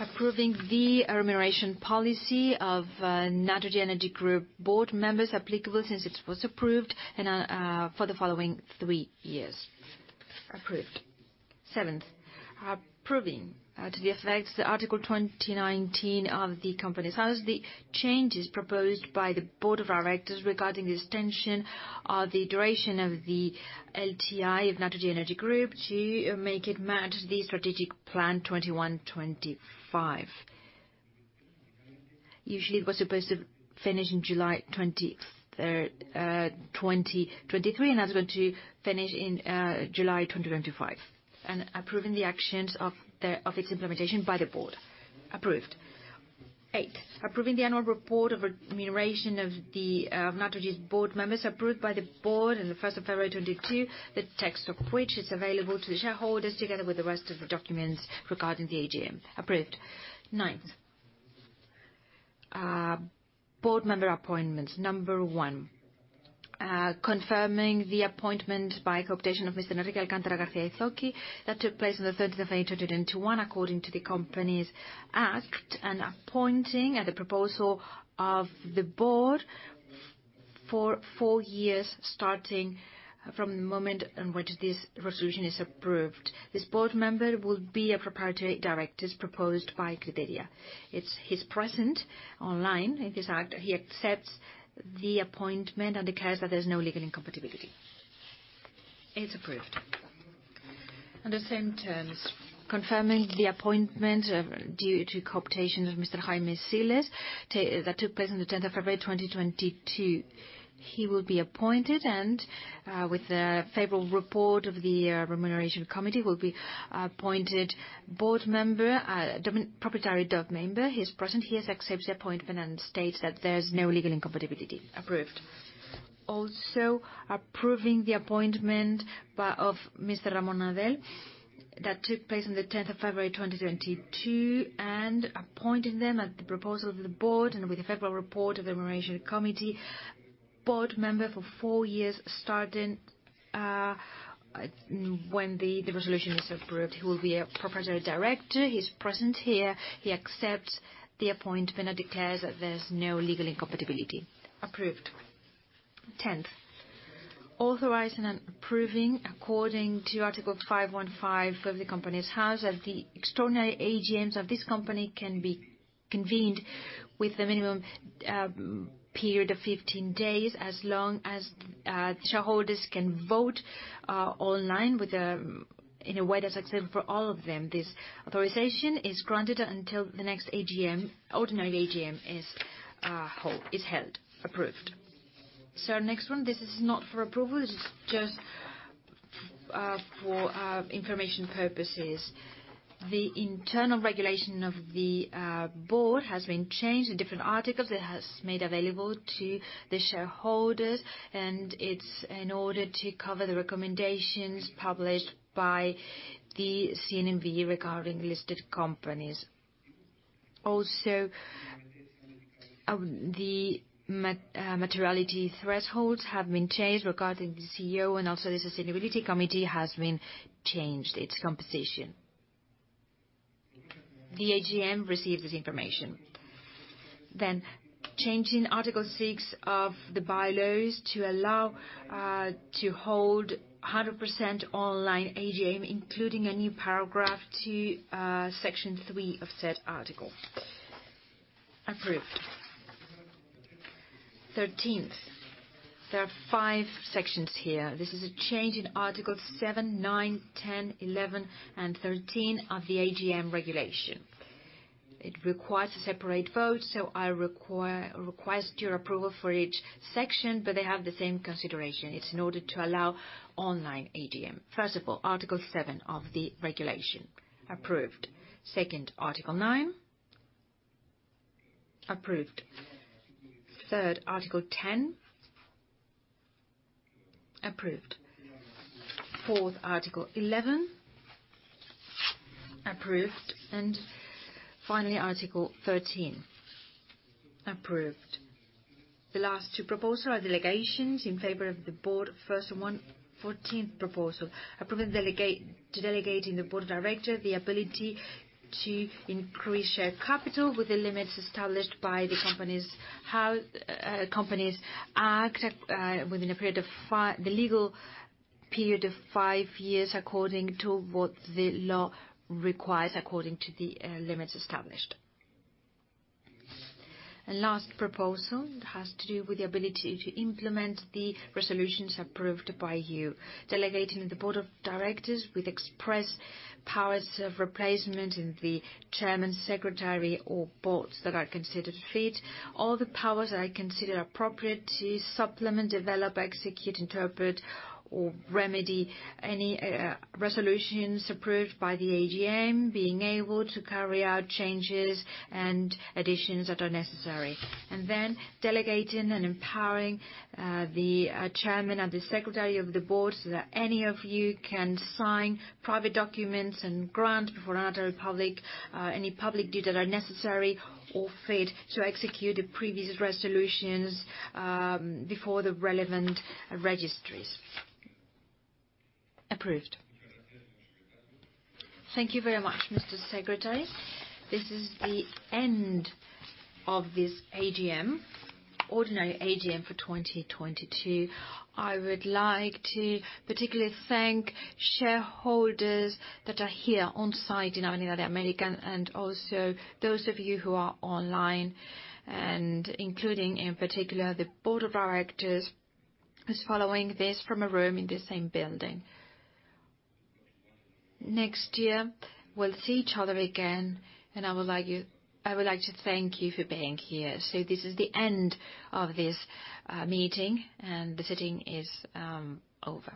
approving the remuneration policy of Naturgy Energy Group board members applicable since it was approved in for the following three years. Approved.Seventh, approving to the effects of the Article 219 of the company statutes the changes proposed by the board of directors regarding the extension of the duration of the LTI of Naturgy Energy Group to make it match the strategic plan 2021-2025. Usually, it was supposed to finish in July 23, 2023, and that's going to finish in July 2025, and approving the actions of its implementation by the board. Approved.Eighth, approving the annual report of remuneration of the Naturgy's board members approved by the board on the first of February 2022. The text of which is available to the shareholders together with the rest of the documents regarding the AGM. Approved. Ninth, board member appointments. Number one, confirming the appointment by co-optation of Mr. Enrique Alcántara-García-Irazoqui that took place on the 13th of April 2021 according to the company's Act, and appointing at the proposal of the board for four years starting from the moment on which this resolution is approved. This board member will be a Proprietary Director proposed by Criteria. He's present online in this act. He accepts the appointment and declares that there's no legal incompatibility. It's approved. Under same terms, confirming the appointment by co-optation of Mr. Jaime Siles that took place on the 10th of February 2022. He will be appointed and, with the favorable report of the Remuneration Committee, will be appointed Board member, proprietary director. He is present. He has accepted the appointment, and states that there's no legal incompatibility. Approved.Also, approving the appointment of Mr. Ramón Adell that took place on the tenth of February 2022, and appointing them at the proposal of the Board and with the favorable report of the Remuneration Committee, Board member for four years, starting when the resolution is approved. He will be a proprietary director. He's present here. He accepts the appointment and declares that there's no legal incompatibility. Approved. Tenth, authorizing and approving, according to Article 515 of the Corporate Enterprises Act, that the extraordinary AGMs of this company can be convened with a minimum period of 15 days as long as shareholders can vote online in a way that's acceptable for all of them. This authorization is granted until the next AGM, ordinary AGM is held. Approved.Next one, this is not for approval. This is just for information purposes. The internal regulation of the board has been changed. The different articles that has made available to the shareholders, and it's in order to cover the recommendations published by the CNMV regarding listed companies. Also, the materiality thresholds have been changed regarding the CEO and also the Sustainability Committee has been changed its composition. The AGM received this information. Changing Article 6 of the bylaws to allow to hold 100% online AGM, including a new paragraph to Section 3 of said article. Approved.13th. There are five sections here. This is a change in article 7, 9, 10, 11, and 13 of the AGM regulation. It requires a separate vote, so I request your approval for each section, but they have the same consideration. It's in order to allow online AGM. First of all, article 7 of the regulation. Approved.Second, article 9.Approved.Third, article 10.Approved.Fourth, article 11.Approved.And finally, article 13.Approved.The last two proposals are delegations in favor of the board. First one, 14th proposal. Approved. Delegating the board of directors the ability to increase share capital with the limits established by the company's Companies Act, within a period of five... The legal period of five years according to what the law requires according to the limits established. Last proposal has to do with the ability to implement the resolutions approved by you. Delegating the board of directors with express powers of replacement in the Chairman, Secretary or Boards that are considered fit. All the powers are considered appropriate to supplement, develop, execute, interpret, or remedy any resolutions approved by the AGM, being able to carry out changes and additions that are necessary. Delegating and empowering the Chairman and the Secretary of the board so that any of you can sign private documents and grant before a notary public any public documents that are necessary or fit to execute the previous resolutions before the relevant registries. Approved. Thank you very much, Mr. Secretary.This is the end of this AGM, ordinary AGM for 2022. I would like to particularly thank shareholders that are here on site in Avenida de América, and also those of you who are online and including in particular the board of directors who's following this from a room in the same building. Next year, we'll see each other again, and I would like to thank you for being here. This is the end of this meeting and the sitting is over.